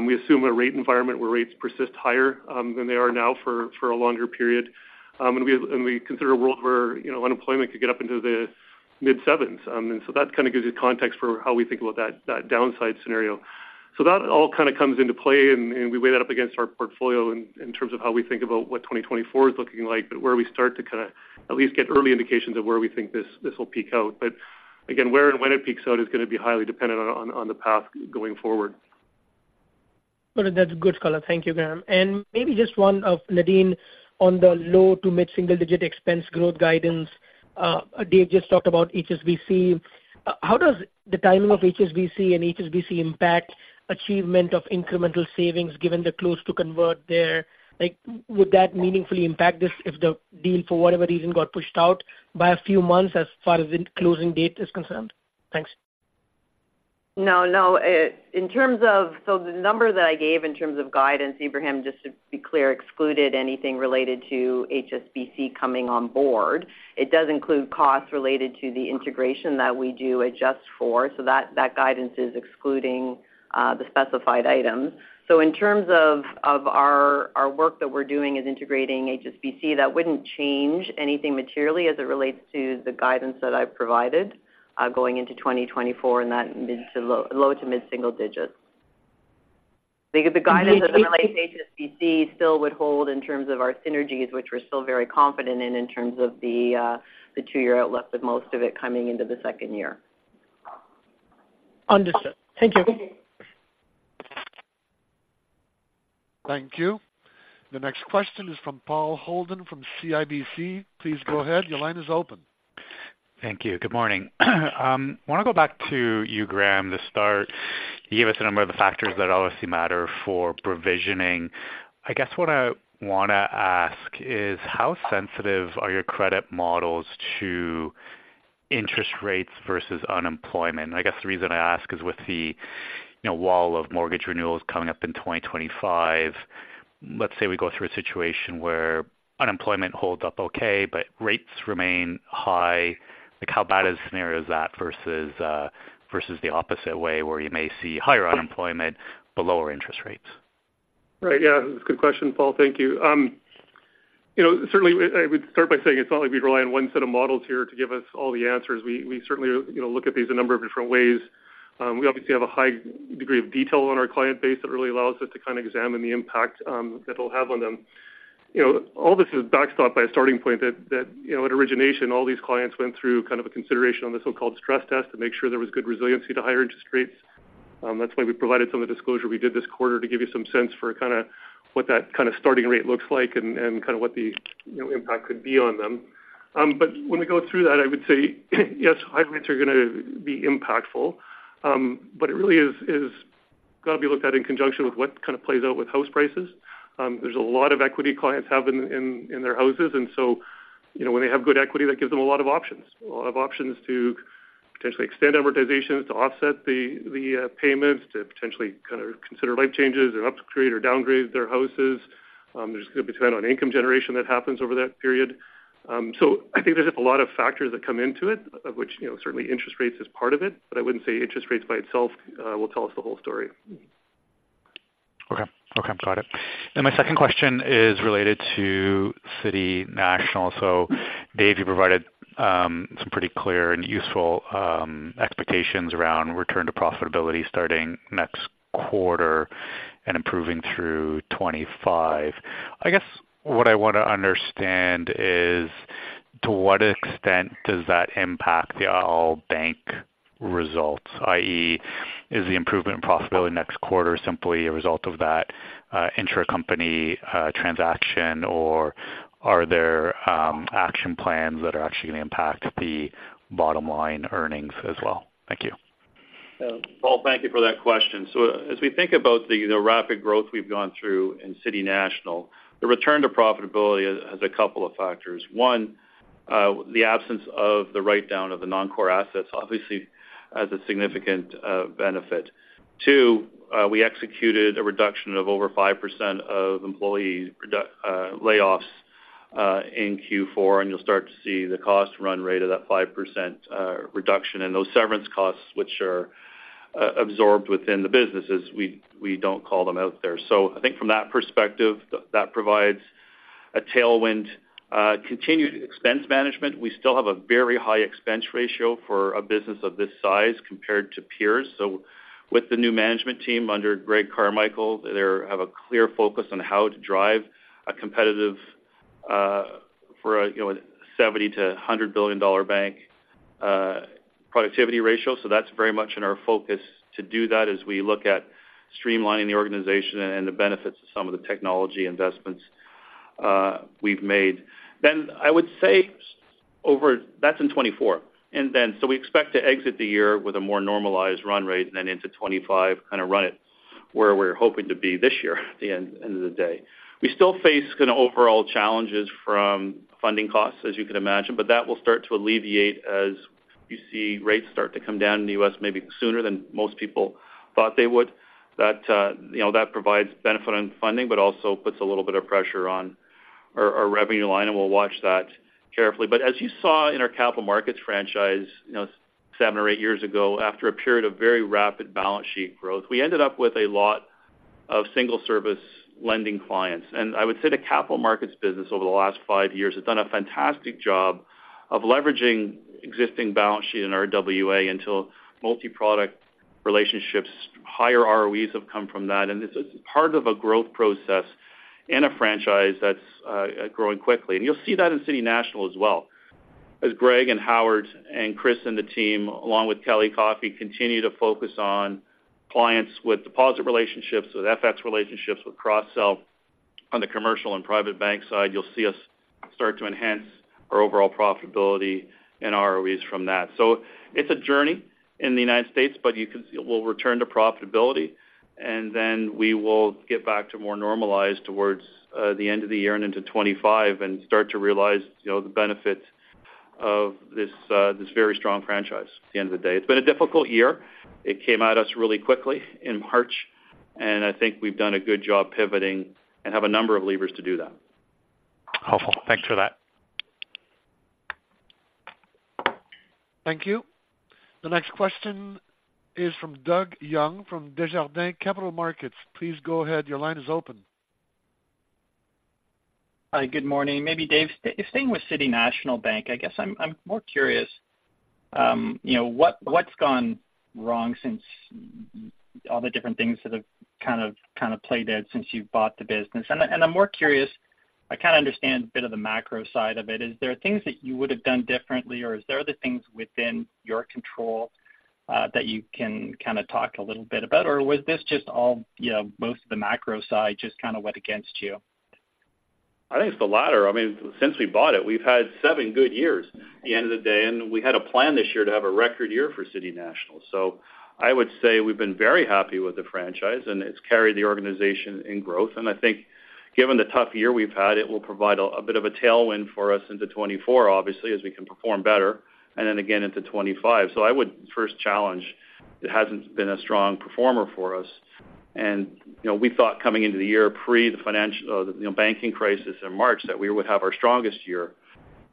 We assume a rate environment where rates persist higher than they are now for a longer period. And we consider a world where, you know, unemployment could get up into the mid-7s. And so that kind of gives you context for how we think about that downside scenario. So that all kind of comes into play, and we weigh that up against our portfolio in terms of how we think about what 2024 is looking like, but where we start to kind of at least get early indications of where we think this will peak out. But again, where and when it peaks out is going to be highly dependent on the path going forward. Well, that's a good color. Thank you, Graeme. Maybe just one of Nadine on the low to mid-single digit expense growth guidance. Dave just talked about HSBC. How does the timing of HSBC and HSBC impact achievement of incremental savings given the close to convert there? Like, would that meaningfully impact this if the deal, for whatever reason, got pushed out by a few months as far as the closing date is concerned? Thanks. No, no. In terms of... So the number that I gave in terms of guidance, Ibrahim, just to be clear, excluded anything related to HSBC coming on board. It does include costs related to the integration that we do adjust for, so that, that guidance is excluding the specified items. So in terms of, of our, our work that we're doing as integrating HSBC, that wouldn't change anything materially as it relates to the guidance that I've provided, going into 2024 in that mid- to low-, low- to mid-single digits. Because the guidance on HSBC still would hold in terms of our synergies, which we're still very confident in, in terms of the, the two-year outlook, with most of it coming into the second year. Understood. Thank you. Thank you. The next question is from Paul Holden from CIBC. Please go ahead. Your line is open. Thank you. Good morning. I want to go back to you, Graeme, to start. You gave us a number of the factors that obviously matter for provisioning. I guess what I want to ask is, how sensitive are your credit models to interest rates versus unemployment? I guess the reason I ask is with the, you know, wall of mortgage renewals coming up in 2025, let's say we go through a situation where unemployment holds up okay, but rates remain high. Like, how bad a scenario is that versus versus the opposite way, where you may see higher unemployment but lower interest rates? Right. Yeah, that's a good question, Paul. Thank you. You know, certainly, I, I would start by saying it's not like we rely on one set of models here to give us all the answers. We, we certainly, you know, look at these a number of different ways.... We obviously have a high degree of detail on our client base that really allows us to kind of examine the impact that it'll have on them. You know, all this is backstopped by a starting point that, that, you know, at origination, all these clients went through kind of a consideration on the so-called stress test to make sure there was good resiliency to higher interest rates. That's why we provided some of the disclosure we did this quarter, to give you some sense for kind of what that kind of starting rate looks like and, and kind of what the, you know, impact could be on them. But when we go through that, I would say, yes, high rates are gonna be impactful, but it really is, is gotta be looked at in conjunction with what kind of plays out with house prices. There's a lot of equity clients have in, in, in their houses, and so, you know, when they have good equity, that gives them a lot of options. A lot of options to potentially extend amortizations to offset the, the, payments, to potentially kind of consider life changes or upgrade or downgrade their houses. There's gonna be depend on income generation that happens over that period. I think there's a lot of factors that come into it, of which, you know, certainly interest rates is part of it, but I wouldn't say interest rates by itself will tell us the whole story. Okay. Okay, got it. Then my second question is related to City National. So Dave, you provided some pretty clear and useful expectations around return to profitability starting next quarter and improving through 2025. I guess what I want to understand is, to what extent does that impact the all bank results? i.e., is the improvement in profitability next quarter simply a result of that, intracompany, transaction, or are there action plans that are actually going to impact the bottom line earnings as well? Thank you. So Paul, thank you for that question. So as we think about the rapid growth we've gone through in City National, the return to profitability has a couple of factors. One, the absence of the write-down of the non-core assets obviously has a significant benefit. Two, we executed a reduction of over 5% of employee layoffs in Q4, and you'll start to see the cost run rate of that 5% reduction in those severance costs, which are absorbed within the businesses. We don't call them out there. So I think from that perspective, that provides a tailwind. Continued expense management, we still have a very high expense ratio for a business of this size compared to peers. So with the new management team under Greg Carmichael, they have a clear focus on how to drive a competitive, for a, you know, a $70 billion-$100 billion bank, productivity ratio. So that's very much in our focus to do that as we look at streamlining the organization and the benefits of some of the technology investments we've made. Then, I would say that's in 2024. And then, so we expect to exit the year with a more normalized run rate than into 2025, kind of run it where we're hoping to be this year, at the end of the day. We still face kind of overall challenges from funding costs, as you can imagine, but that will start to alleviate as you see rates start to come down in the US, maybe sooner than most people thought they would. That, you know, that provides benefit on funding, but also puts a little bit of pressure on our, our revenue line, and we'll watch that carefully. But as you saw in our capital markets franchise, you know, seven or eight years ago, after a period of very rapid balance sheet growth, we ended up with a lot of single service lending clients. And I would say the capital markets business over the last five years has done a fantastic job of leveraging existing balance sheet in our way until multi-product relationships, higher ROEs have come from that. And this is part of a growth process in a franchise that's, growing quickly. And you'll see that in City National as well. As Greg and Howard and Chris and the team, along with Kelly Coffey, continue to focus on clients with deposit relationships, with FX relationships, with cross sell. On the commercial and private bank side, you'll see us start to enhance our overall profitability and ROEs from that. So it's a journey in the United States, but you can-- we'll return to profitability, and then we will get back to more normalized towards the end of the year and into 2025 and start to realize, you know, the benefits of this, this very strong franchise at the end of the day. It's been a difficult year. It came at us really quickly in March, and I think we've done a good job pivoting and have a number of levers to do that. Helpful. Thanks for that. Thank you. The next question is from Doug Young, from Desjardins Capital Markets. Please go ahead. Your line is open. Hi, good morning. Maybe Dave, staying with City National Bank, I guess I'm more curious, you know, what, what's gone wrong since all the different things that have kind of, kind of played out since you've bought the business? And I'm more curious, I kind of understand a bit of the macro side of it. Is there things that you would have done differently, or is there other things within your control, that you can kind of talk a little bit about? Or was this just all, you know, most of the macro side just kind of went against you? I think it's the latter. I mean, since we bought it, we've had seven good years at the end of the day, and we had a plan this year to have a record year for City National. So I would say we've been very happy with the franchise, and it's carried the organization in growth. And I think given the tough year we've had, it will provide a bit of a tailwind for us into 2024, obviously, as we can perform better, and then again into 2025. So I would first challenge, it hasn't been a strong performer for us. And, you know, we thought coming into the year pre the financial, you know, banking crisis in March, that we would have our strongest year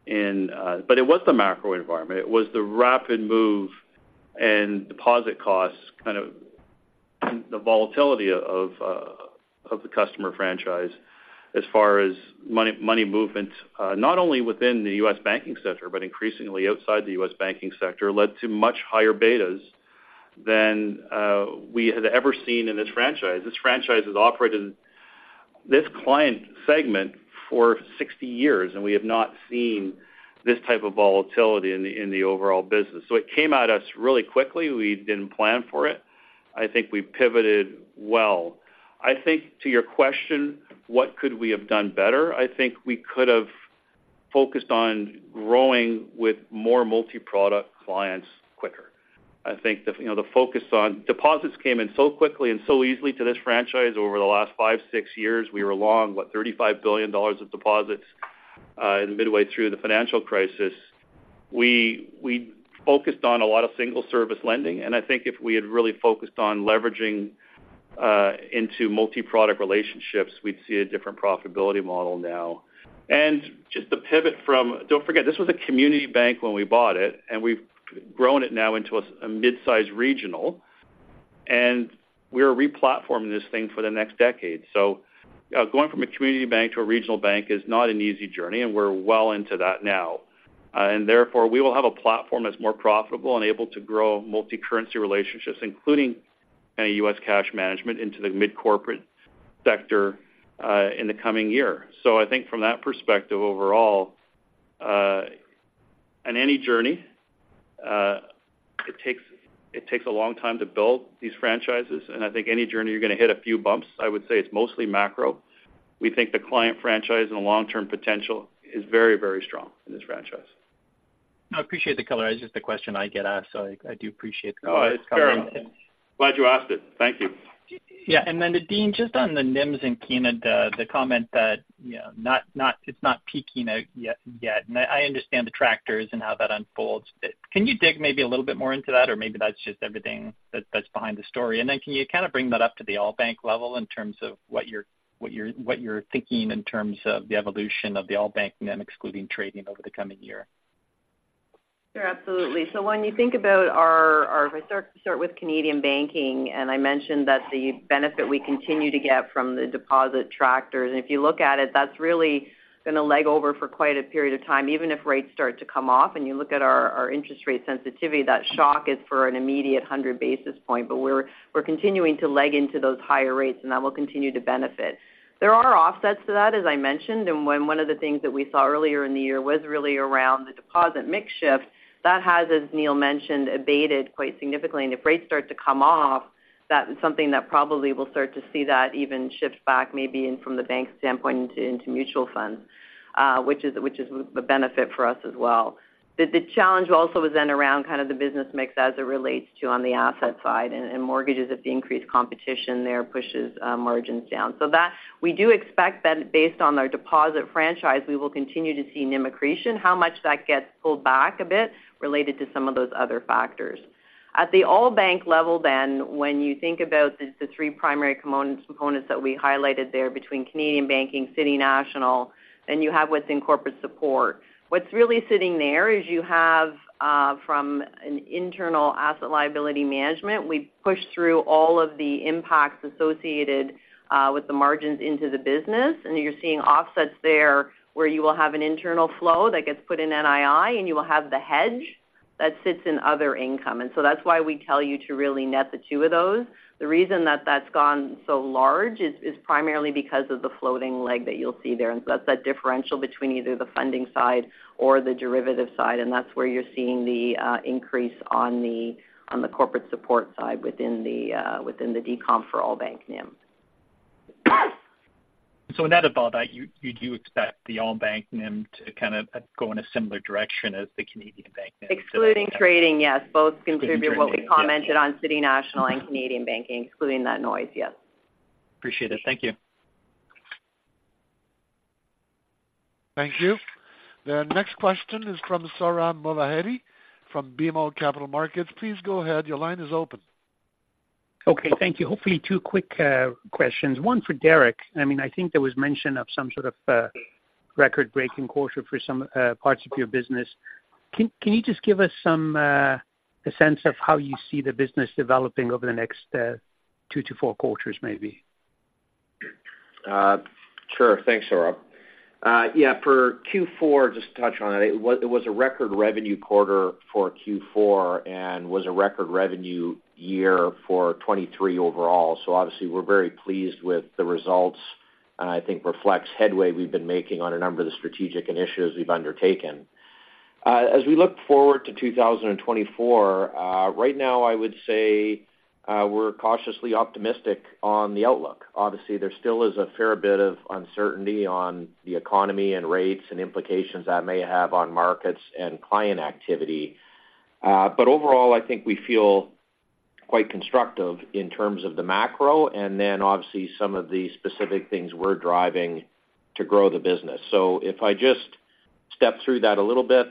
in... But it was the macro environment. It was the rapid move and deposit costs kind of-... The volatility of the customer franchise as far as money, money movement, not only within the U.S. banking sector, but increasingly outside the U.S. banking sector, led to much higher betas than we had ever seen in this franchise. This franchise has operated this client segment for 60 years, and we have not seen this type of volatility in the overall business. So it came at us really quickly. We didn't plan for it. I think we pivoted well. I think to your question, what could we have done better? I think we could have focused on growing with more multi-product clients quicker. I think the, you know, the focus on deposits came in so quickly and so easily to this franchise over the last 5 years-6 years. We were long, what, $35 billion of deposits in midway through the financial crisis. We, we focused on a lot of single service lending, and I think if we had really focused on leveraging into multi-product relationships, we'd see a different profitability model now. And just to pivot from, don't forget, this was a community bank when we bought it, and we've grown it now into a mid-size regional, and we're replatforming this thing for the next decade. So, going from a community bank to a regional bank is not an easy journey, and we're well into that now. And therefore, we will have a platform that's more profitable and able to grow multicurrency relationships, including any US cash management into the mid-corporate sector, in the coming year. So I think from that perspective, overall, on any journey, it takes a long time to build these franchises, and I think any journey, you're going to hit a few bumps. I would say it's mostly macro. We think the client franchise and the long-term potential is very, very strong in this franchise. I appreciate the color. It's just the question I get asked, so I, I do appreciate the color that's coming out. Oh, sure. Glad you asked it. Thank you. Yeah, and then to Nadine, just on the NIMs in Canada, the comment that, you know, not, it's not peaking out yet. And I understand the factors and how that unfolds. But can you dig maybe a little bit more into that, or maybe that's just everything that's behind the story? And then can you kind of bring that up to the all-bank level in terms of what you're thinking in terms of the evolution of the all-bank NIM, excluding trading over the coming year? Sure, absolutely. So when you think about our, if I start with Canadian banking, and I mentioned that the benefit we continue to get from the deposit traction, and if you look at it, that's really been a leg up for quite a period of time. Even if rates start to come off and you look at our interest rate sensitivity, that shock is for an immediate 100 basis points. But we're continuing to leg into those higher rates, and that will continue to benefit. There are offsets to that, as I mentioned, and one of the things that we saw earlier in the year was really around the deposit mix shift, that has, as Neil mentioned, abated quite significantly. And if rates start to come off, that is something that probably we'll start to see that even shift back, maybe in from the bank standpoint into, into mutual funds, which is, which is a benefit for us as well. The, the challenge also is then around kind of the business mix as it relates to on the asset side and, and mortgages, if the increased competition there pushes, margins down. So that we do expect that based on our deposit franchise, we will continue to see NIM accretion. How much that gets pulled back a bit related to some of those other factors. At the all bank level then, when you think about the, the three primary components, components that we highlighted there between Canadian banking, City National, then you have what's in corporate support. What's really sitting there is you have, from an internal asset liability management, we've pushed through all of the impacts associated with the margins into the business, and you're seeing offsets there, where you will have an internal flow that gets put in NII, and you will have the hedge that sits in other income. And so that's why we tell you to really net the two of those. The reason that that's gone so large is primarily because of the floating leg that you'll see there. And so that's that differential between either the funding side or the derivative side, and that's where you're seeing the increase on the corporate support side within the decomp for all bank NIM. Net above that, you do expect the all bank NIM to kind of go in a similar direction as the Canadian bank NIM? Excluding trading, yes. Both contribute what we commented on City National and Canadian banking, excluding that noise, yes. Appreciate it. Thank you. Thank you. The next question is from Sohrab Movahedi from BMO Capital Markets. Please go ahead. Your line is open. Okay, thank you. Hopefully, two quick questions. One for Derek. I mean, I think there was mention of some sort of record-breaking quarter for some parts of your business. Can you just give us some a sense of how you see the business developing over the next two to four quarters, maybe? Sure. Thanks, Sohrab. Yeah, for Q4, just to touch on it, it was a record revenue quarter for Q4 and was a record revenue year for 2023 overall. So obviously, we're very pleased with the results, and I think reflects headway we've been making on a number of the strategic initiatives we've undertaken. As we look forward to 2024, right now, I would say, we're cautiously optimistic on the outlook. Obviously, there still is a fair bit of uncertainty on the economy and rates and implications that may have on markets and client activity. But overall, I think we feel quite constructive in terms of the macro and then obviously some of the specific things we're driving to grow the business. So if I just step through that a little bit,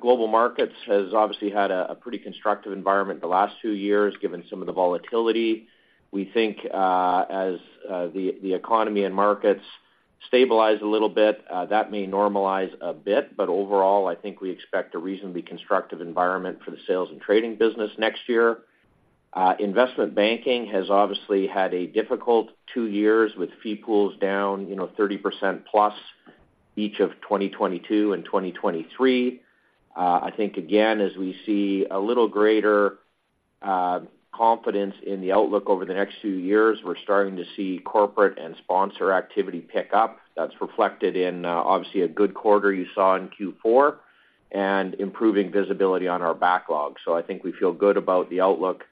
global markets has obviously had a pretty constructive environment the last two years, given some of the volatility. We think, as the economy and markets stabilize a little bit, that may normalize a bit, but overall, I think we expect a reasonably constructive environment for the sales and trading business next year. Investment banking has obviously had a difficult two years with fee pools down, you know, 30%+, each of 2022 and 2023. I think again, as we see a little greater confidence in the outlook over the next few years, we're starting to see corporate and sponsor activity pick up. That's reflected in, obviously, a good quarter you saw in Q4 and improving visibility on our backlog. So I think we feel good about the outlook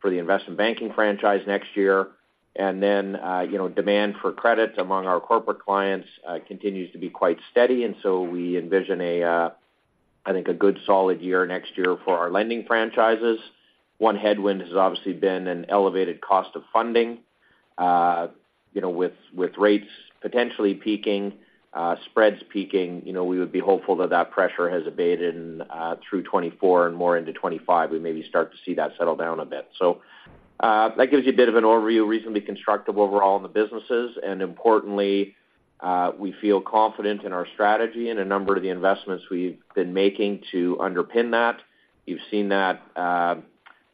for the investment banking franchise next year. And then, you know, demand for credit among our corporate clients continues to be quite steady, and so we envision a, I think, a good solid year next year for our lending franchises. One headwind has obviously been an elevated cost of funding. You know, with rates potentially peaking, spreads peaking, you know, we would be hopeful that that pressure has abated through 2024 and more into 2025. We maybe start to see that settle down a bit. So, that gives you a bit of an overview, reasonably constructive overall in the businesses, and importantly, we feel confident in our strategy and a number of the investments we've been making to underpin that. You've seen that,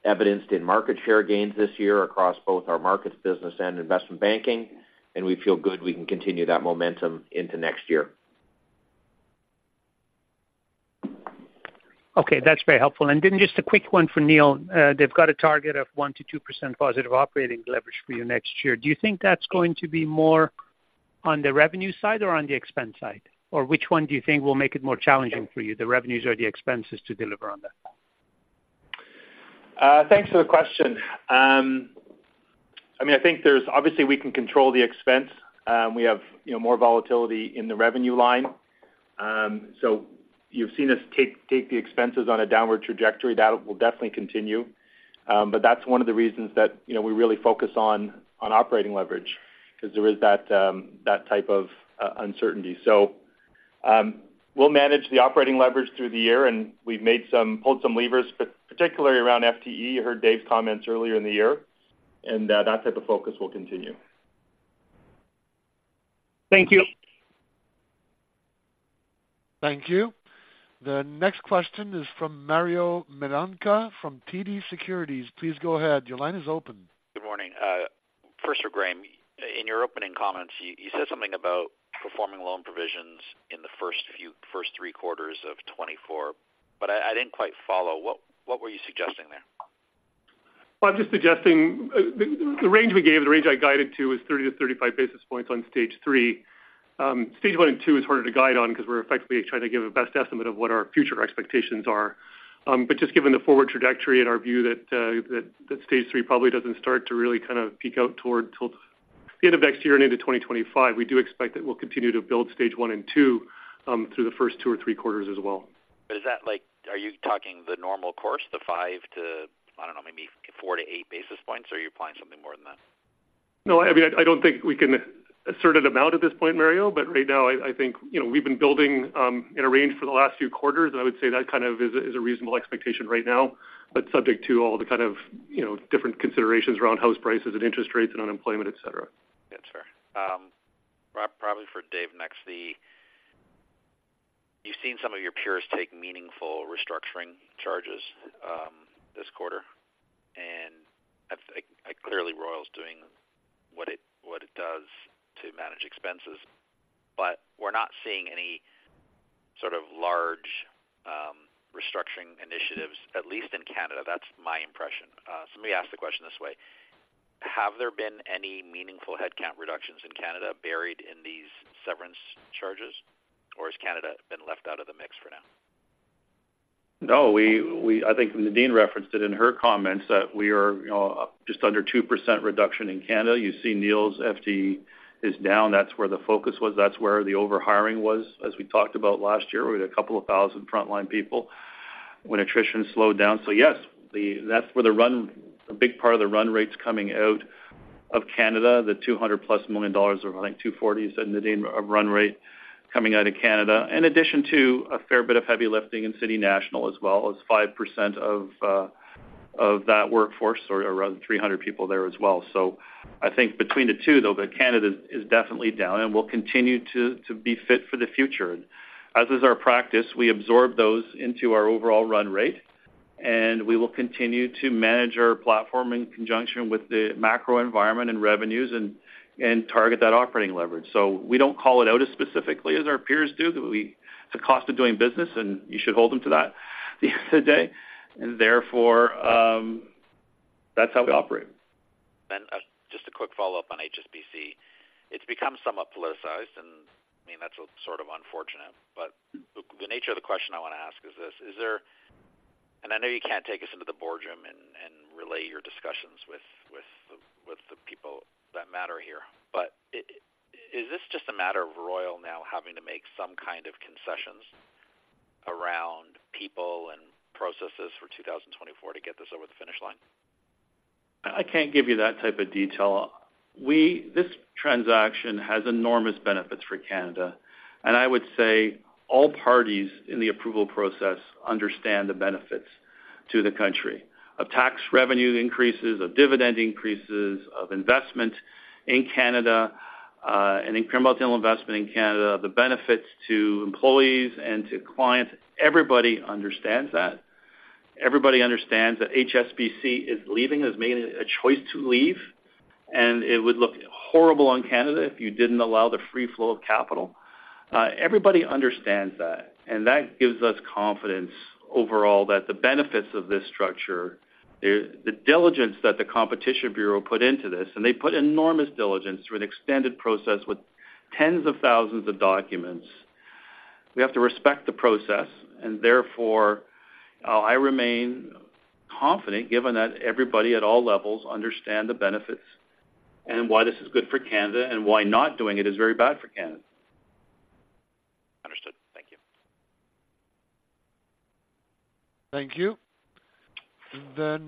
evidenced in market share gains this year across both our markets, business and investment banking, and we feel good we can continue that momentum into next year. Okay, that's very helpful. And then just a quick one for Neil. They've got a target of 1%-2% positive operating leverage for you next year. Do you think that's going to be more on the revenue side or on the expense side? Or which one do you think will make it more challenging for you, the revenues or the expenses to deliver on that? Thanks for the question. I mean, I think there's obviously, we can control the expense. We have, you know, more volatility in the revenue line. So you've seen us take the expenses on a downward trajectory. That will definitely continue. But that's one of the reasons that, you know, we really focus on operating leverage because there is that type of uncertainty. So we'll manage the operating leverage through the year, and we've made some pulled some levers, particularly around FTE. You heard Dave's comments earlier in the year, and that type of focus will continue. Thank you. Thank you. The next question is from Mario Mendonca from TD Securities. Please go ahead. Your line is open. Good morning. First for Graeme, in your opening comments, you said something about performing loan provisions in the first three quarters of 2024, but I didn't quite follow. What were you suggesting there? Well, I'm just suggesting, the range we gave, the range I guided to, is 30-35 basis points on Stage 3. Stage 1 and 2 is harder to guide on because we're effectively trying to give a best estimate of what our future expectations are. But just given the forward trajectory and our view that, Stage 3 probably doesn't start to really kind of peak out toward till the end of next year and into 2025, we do expect that we'll continue to build Stage 1 and 2, through the first two or three quarters as well. But is that like... Are you talking the normal course, the five to, I don't know, maybe 4-8 basis points, or are you applying something more than that? No, I mean, I don't think we can assert an amount at this point, Mario, but right now, I think, you know, we've been building in a range for the last few quarters. I would say that kind of is a reasonable expectation right now, but subject to all the kind of, you know, different considerations around house prices and interest rates and unemployment, et cetera. Yes, sir. Probably for Dave next. You've seen some of your peers take meaningful restructuring charges this quarter, and I think clearly, Royal's doing what it does to manage expenses, but we're not seeing any sort of large restructuring initiatives, at least in Canada. That's my impression. So let me ask the question this way: Have there been any meaningful headcount reductions in Canada buried in these severance charges, or has Canada been left out of the mix for now? No, we—I think Nadine referenced it in her comments, that we are, you know, just under 2% reduction in Canada. You see Neil's FTE is down. That's where the focus was. That's where the overhiring was. As we talked about last year, we had 2,000 frontline people when attrition slowed down. So yes, that's where a big part of the run rate's coming out of Canada, 200+ million dollars, or I think 240 is Nadine, of run rate coming out of Canada, in addition to a fair bit of heavy lifting in City National as well. It's 5% of that workforce, or around 300 people there as well. So I think between the two, though, but Canada is definitely down and will continue to be fit for the future. As is our practice, we absorb those into our overall run rate, and we will continue to manage our platform in conjunction with the macro environment and revenues and target that operating leverage. So we don't call it out as specifically as our peers do, but it's a cost of doing business, and you should hold them to that at the end of the day. Therefore, that's how we operate. And, just a quick follow-up on HSBC. It's become somewhat politicized, and, I mean, that's sort of unfortunate. But the nature of the question I want to ask is this: Is there... And I know you can't take us into the boardroom and relay your discussions with the people that matter here, but is this just a matter of Royal now having to make some kind of concessions around people and processes for 2024 to get this over the finish line? I can't give you that type of detail. We, this transaction has enormous benefits for Canada, and I would say all parties in the approval process understand the benefits to the country, of tax revenue increases, of dividend increases, of investment in Canada, and in critical investment in Canada, the benefits to employees and to clients. Everybody understands that. Everybody understands that HSBC is leaving, has made a choice to leave, and it would look horrible on Canada if you didn't allow the free flow of capital. Everybody understands that, and that gives us confidence overall that the benefits of this structure, the diligence that the Competition Bureau put into this, and they put enormous diligence through an extended process with tens of thousands of documents. We have to respect the process, and therefore, I remain confident, given that everybody at all levels understand the benefits and why this is good for Canada, and why not doing it is very bad for Canada. Understood. Thank you. Thank you. The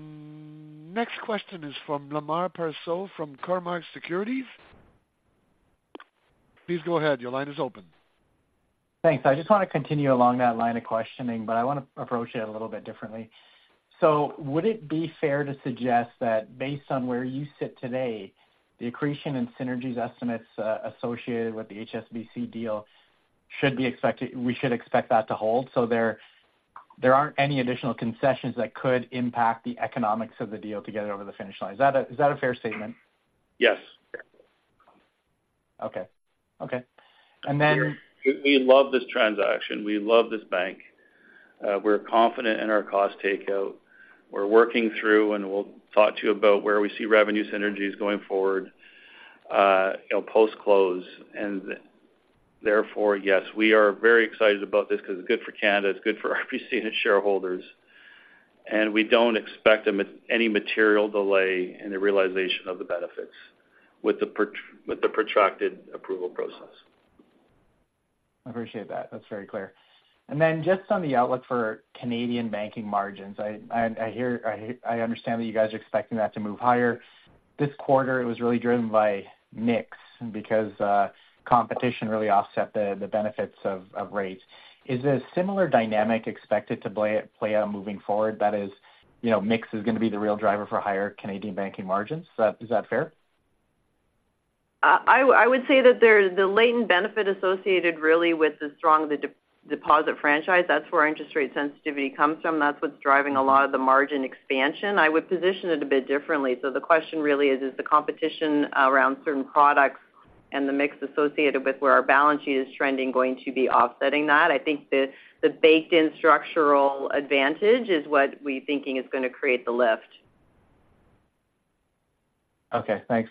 next question is from Lemar Persaud, from Cormark Securities. Please go ahead. Your line is open. Thanks. I just want to continue along that line of questioning, but I want to approach it a little bit differently. So would it be fair to suggest that based on where you sit today, the accretion and synergies estimates associated with the HSBC deal should be expected, we should expect that to hold, so there aren't any additional concessions that could impact the economics of the deal to get it over the finish line? Is that a fair statement? Yes. Okay. Okay. And then- We love this transaction. We love this bank. We're confident in our cost takeout. We're working through, and we'll talk to you about where we see revenue synergies going forward, you know, post-close. And therefore, yes, we are very excited about this because it's good for Canada, it's good for RBC and its shareholders, and we don't expect any material delay in the realization of the benefits with the protracted approval process. I appreciate that. That's very clear. And then just on the outlook for Canadian banking margins, I hear—I understand that you guys are expecting that to move higher. This quarter, it was really driven by mix because competition really offset the benefits of rates. Is a similar dynamic expected to play out moving forward? That is, you know, mix is going to be the real driver for higher Canadian banking margins. Is that fair? I would say that the latent benefit associated really with the strong deposit franchise, that's where our interest rate sensitivity comes from. That's what's driving a lot of the margin expansion. I would position it a bit differently. So the question really is, is the competition around certain products and the mix associated with where our balance sheet is trending going to be offsetting that? I think the baked in structural advantage is what we thinking is going to create the lift. Okay, thanks.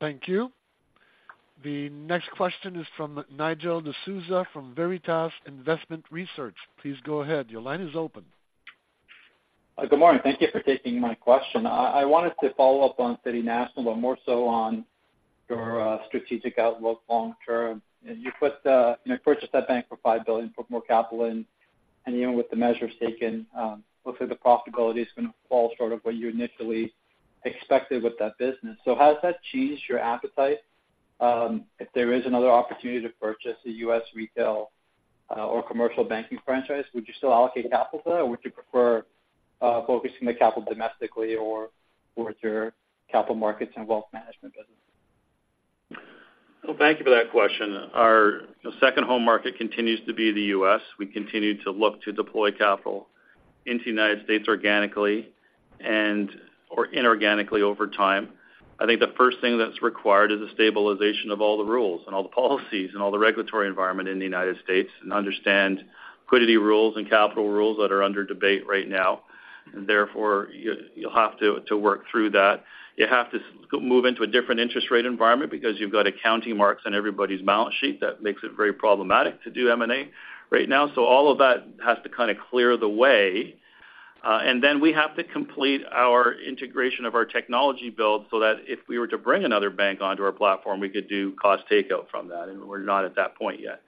Thank you. The next question is from Nigel D'Souza, from Veritas Investment Research. Please go ahead. Your line is open. Good morning. Thank you for taking my question. I wanted to follow up on City National, but more so on your strategic outlook long term. You purchased that bank for $5 billion, put more capital in, and even with the measures taken, looks like the profitability is going to fall short of what you initially expected with that business. So has that changed your appetite, if there is another opportunity to purchase a U.S. retail or commercial banking franchise, would you still allocate capital to that, or would you prefer focusing the capital domestically or towards your capital markets and wealth management business? Well, thank you for that question. Our second home market continues to be the U.S. We continue to look to deploy capital into the United States organically and/or inorganically over time. I think the first thing that's required is a stabilization of all the rules and all the policies and all the regulatory environment in the United States, and understand liquidity rules and capital rules that are under debate right now. And therefore, you, you'll have to, to work through that. You have to move into a different interest rate environment because you've got accounting marks on everybody's balance sheet. That makes it very problematic to do M&A right now. So all of that has to kind of clear the way. And then we have to complete our integration of our technology build so that if we were to bring another bank onto our platform, we could do cost takeout from that, and we're not at that point yet.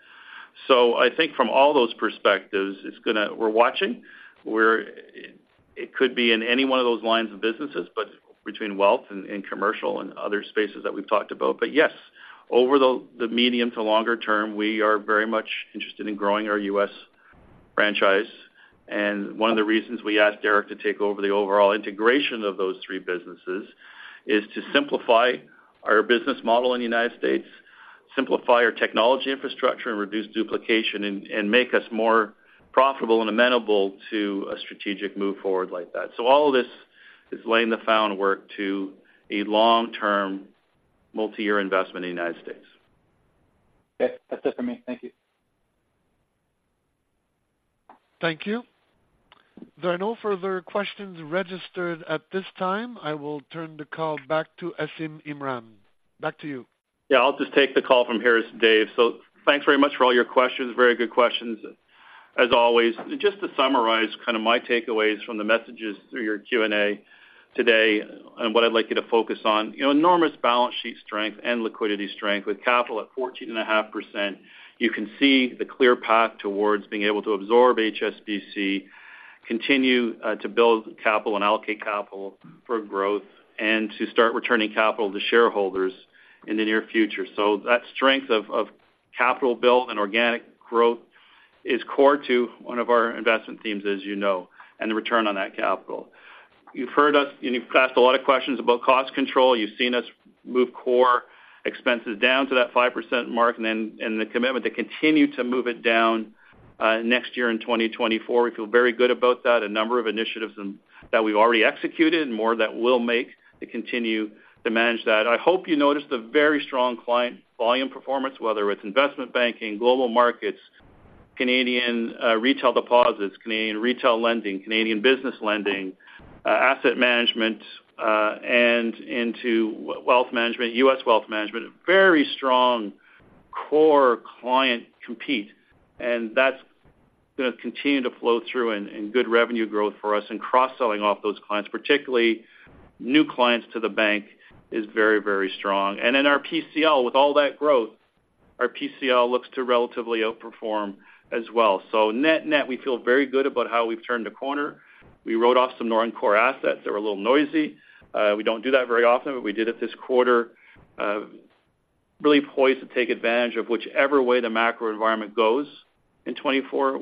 So I think from all those perspectives, it's gonna be – we're watching. We're – it could be in any one of those lines of businesses, but between wealth and, and commercial and other spaces that we've talked about. But yes, over the, the medium to longer term, we are very much interested in growing our US franchise. And one of the reasons we asked Eric to take over the overall integration of those three businesses is to simplify our business model in the United States, simplify our technology infrastructure and reduce duplication and, and make us more profitable and amenable to a strategic move forward like that. All of this is laying the groundwork to a long-term, multi-year investment in the United States. Okay, that's it for me. Thank you. Thank you. There are no further questions registered at this time. I will turn the call back to Asim Imran. Back to you. Yeah, I'll just take the call from here, it's Dave. So thanks very much for all your questions. Very good questions, as always. Just to summarize kind of my takeaways from the messages through your Q&A today and what I'd like you to focus on, you know, enormous balance sheet strength and liquidity strength. With capital at 14.5%, you can see the clear path towards being able to absorb HSBC, continue to build capital and allocate capital for growth, and to start returning capital to shareholders in the near future. So that strength of capital build and organic growth is core to one of our investment themes, as you know, and the return on that capital. You've heard us, and you've asked a lot of questions about cost control. You've seen us move core expenses down to that 5% mark and then, and the commitment to continue to move it down next year in 2024. We feel very good about that. A number of initiatives that we've already executed and more that we'll make to continue to manage that. I hope you noticed the very strong client volume performance, whether it's investment banking, global markets, Canadian retail deposits, Canadian retail lending, Canadian business lending, asset management, and into wealth management, U.S. wealth management. Very strong core client compete, and that's going to continue to flow through and good revenue growth for us and cross-selling off those clients, particularly new clients to the bank, is very, very strong. And then our PCL, with all that growth, our PCL looks to relatively outperform as well. So net-net, we feel very good about how we've turned the corner. We wrote off some non-core assets that were a little noisy. We don't do that very often, but we did it this quarter. Really poised to take advantage of whichever way the macro environment goes in 2024.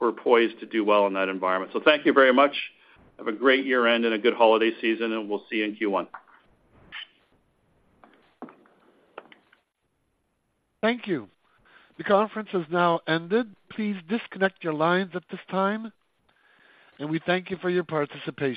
We're poised to do well in that environment. So thank you very much. Have a great year-end and a good holiday season, and we'll see you in Q1. Thank you. The conference has now ended. Please disconnect your lines at this time, and we thank you for your participation.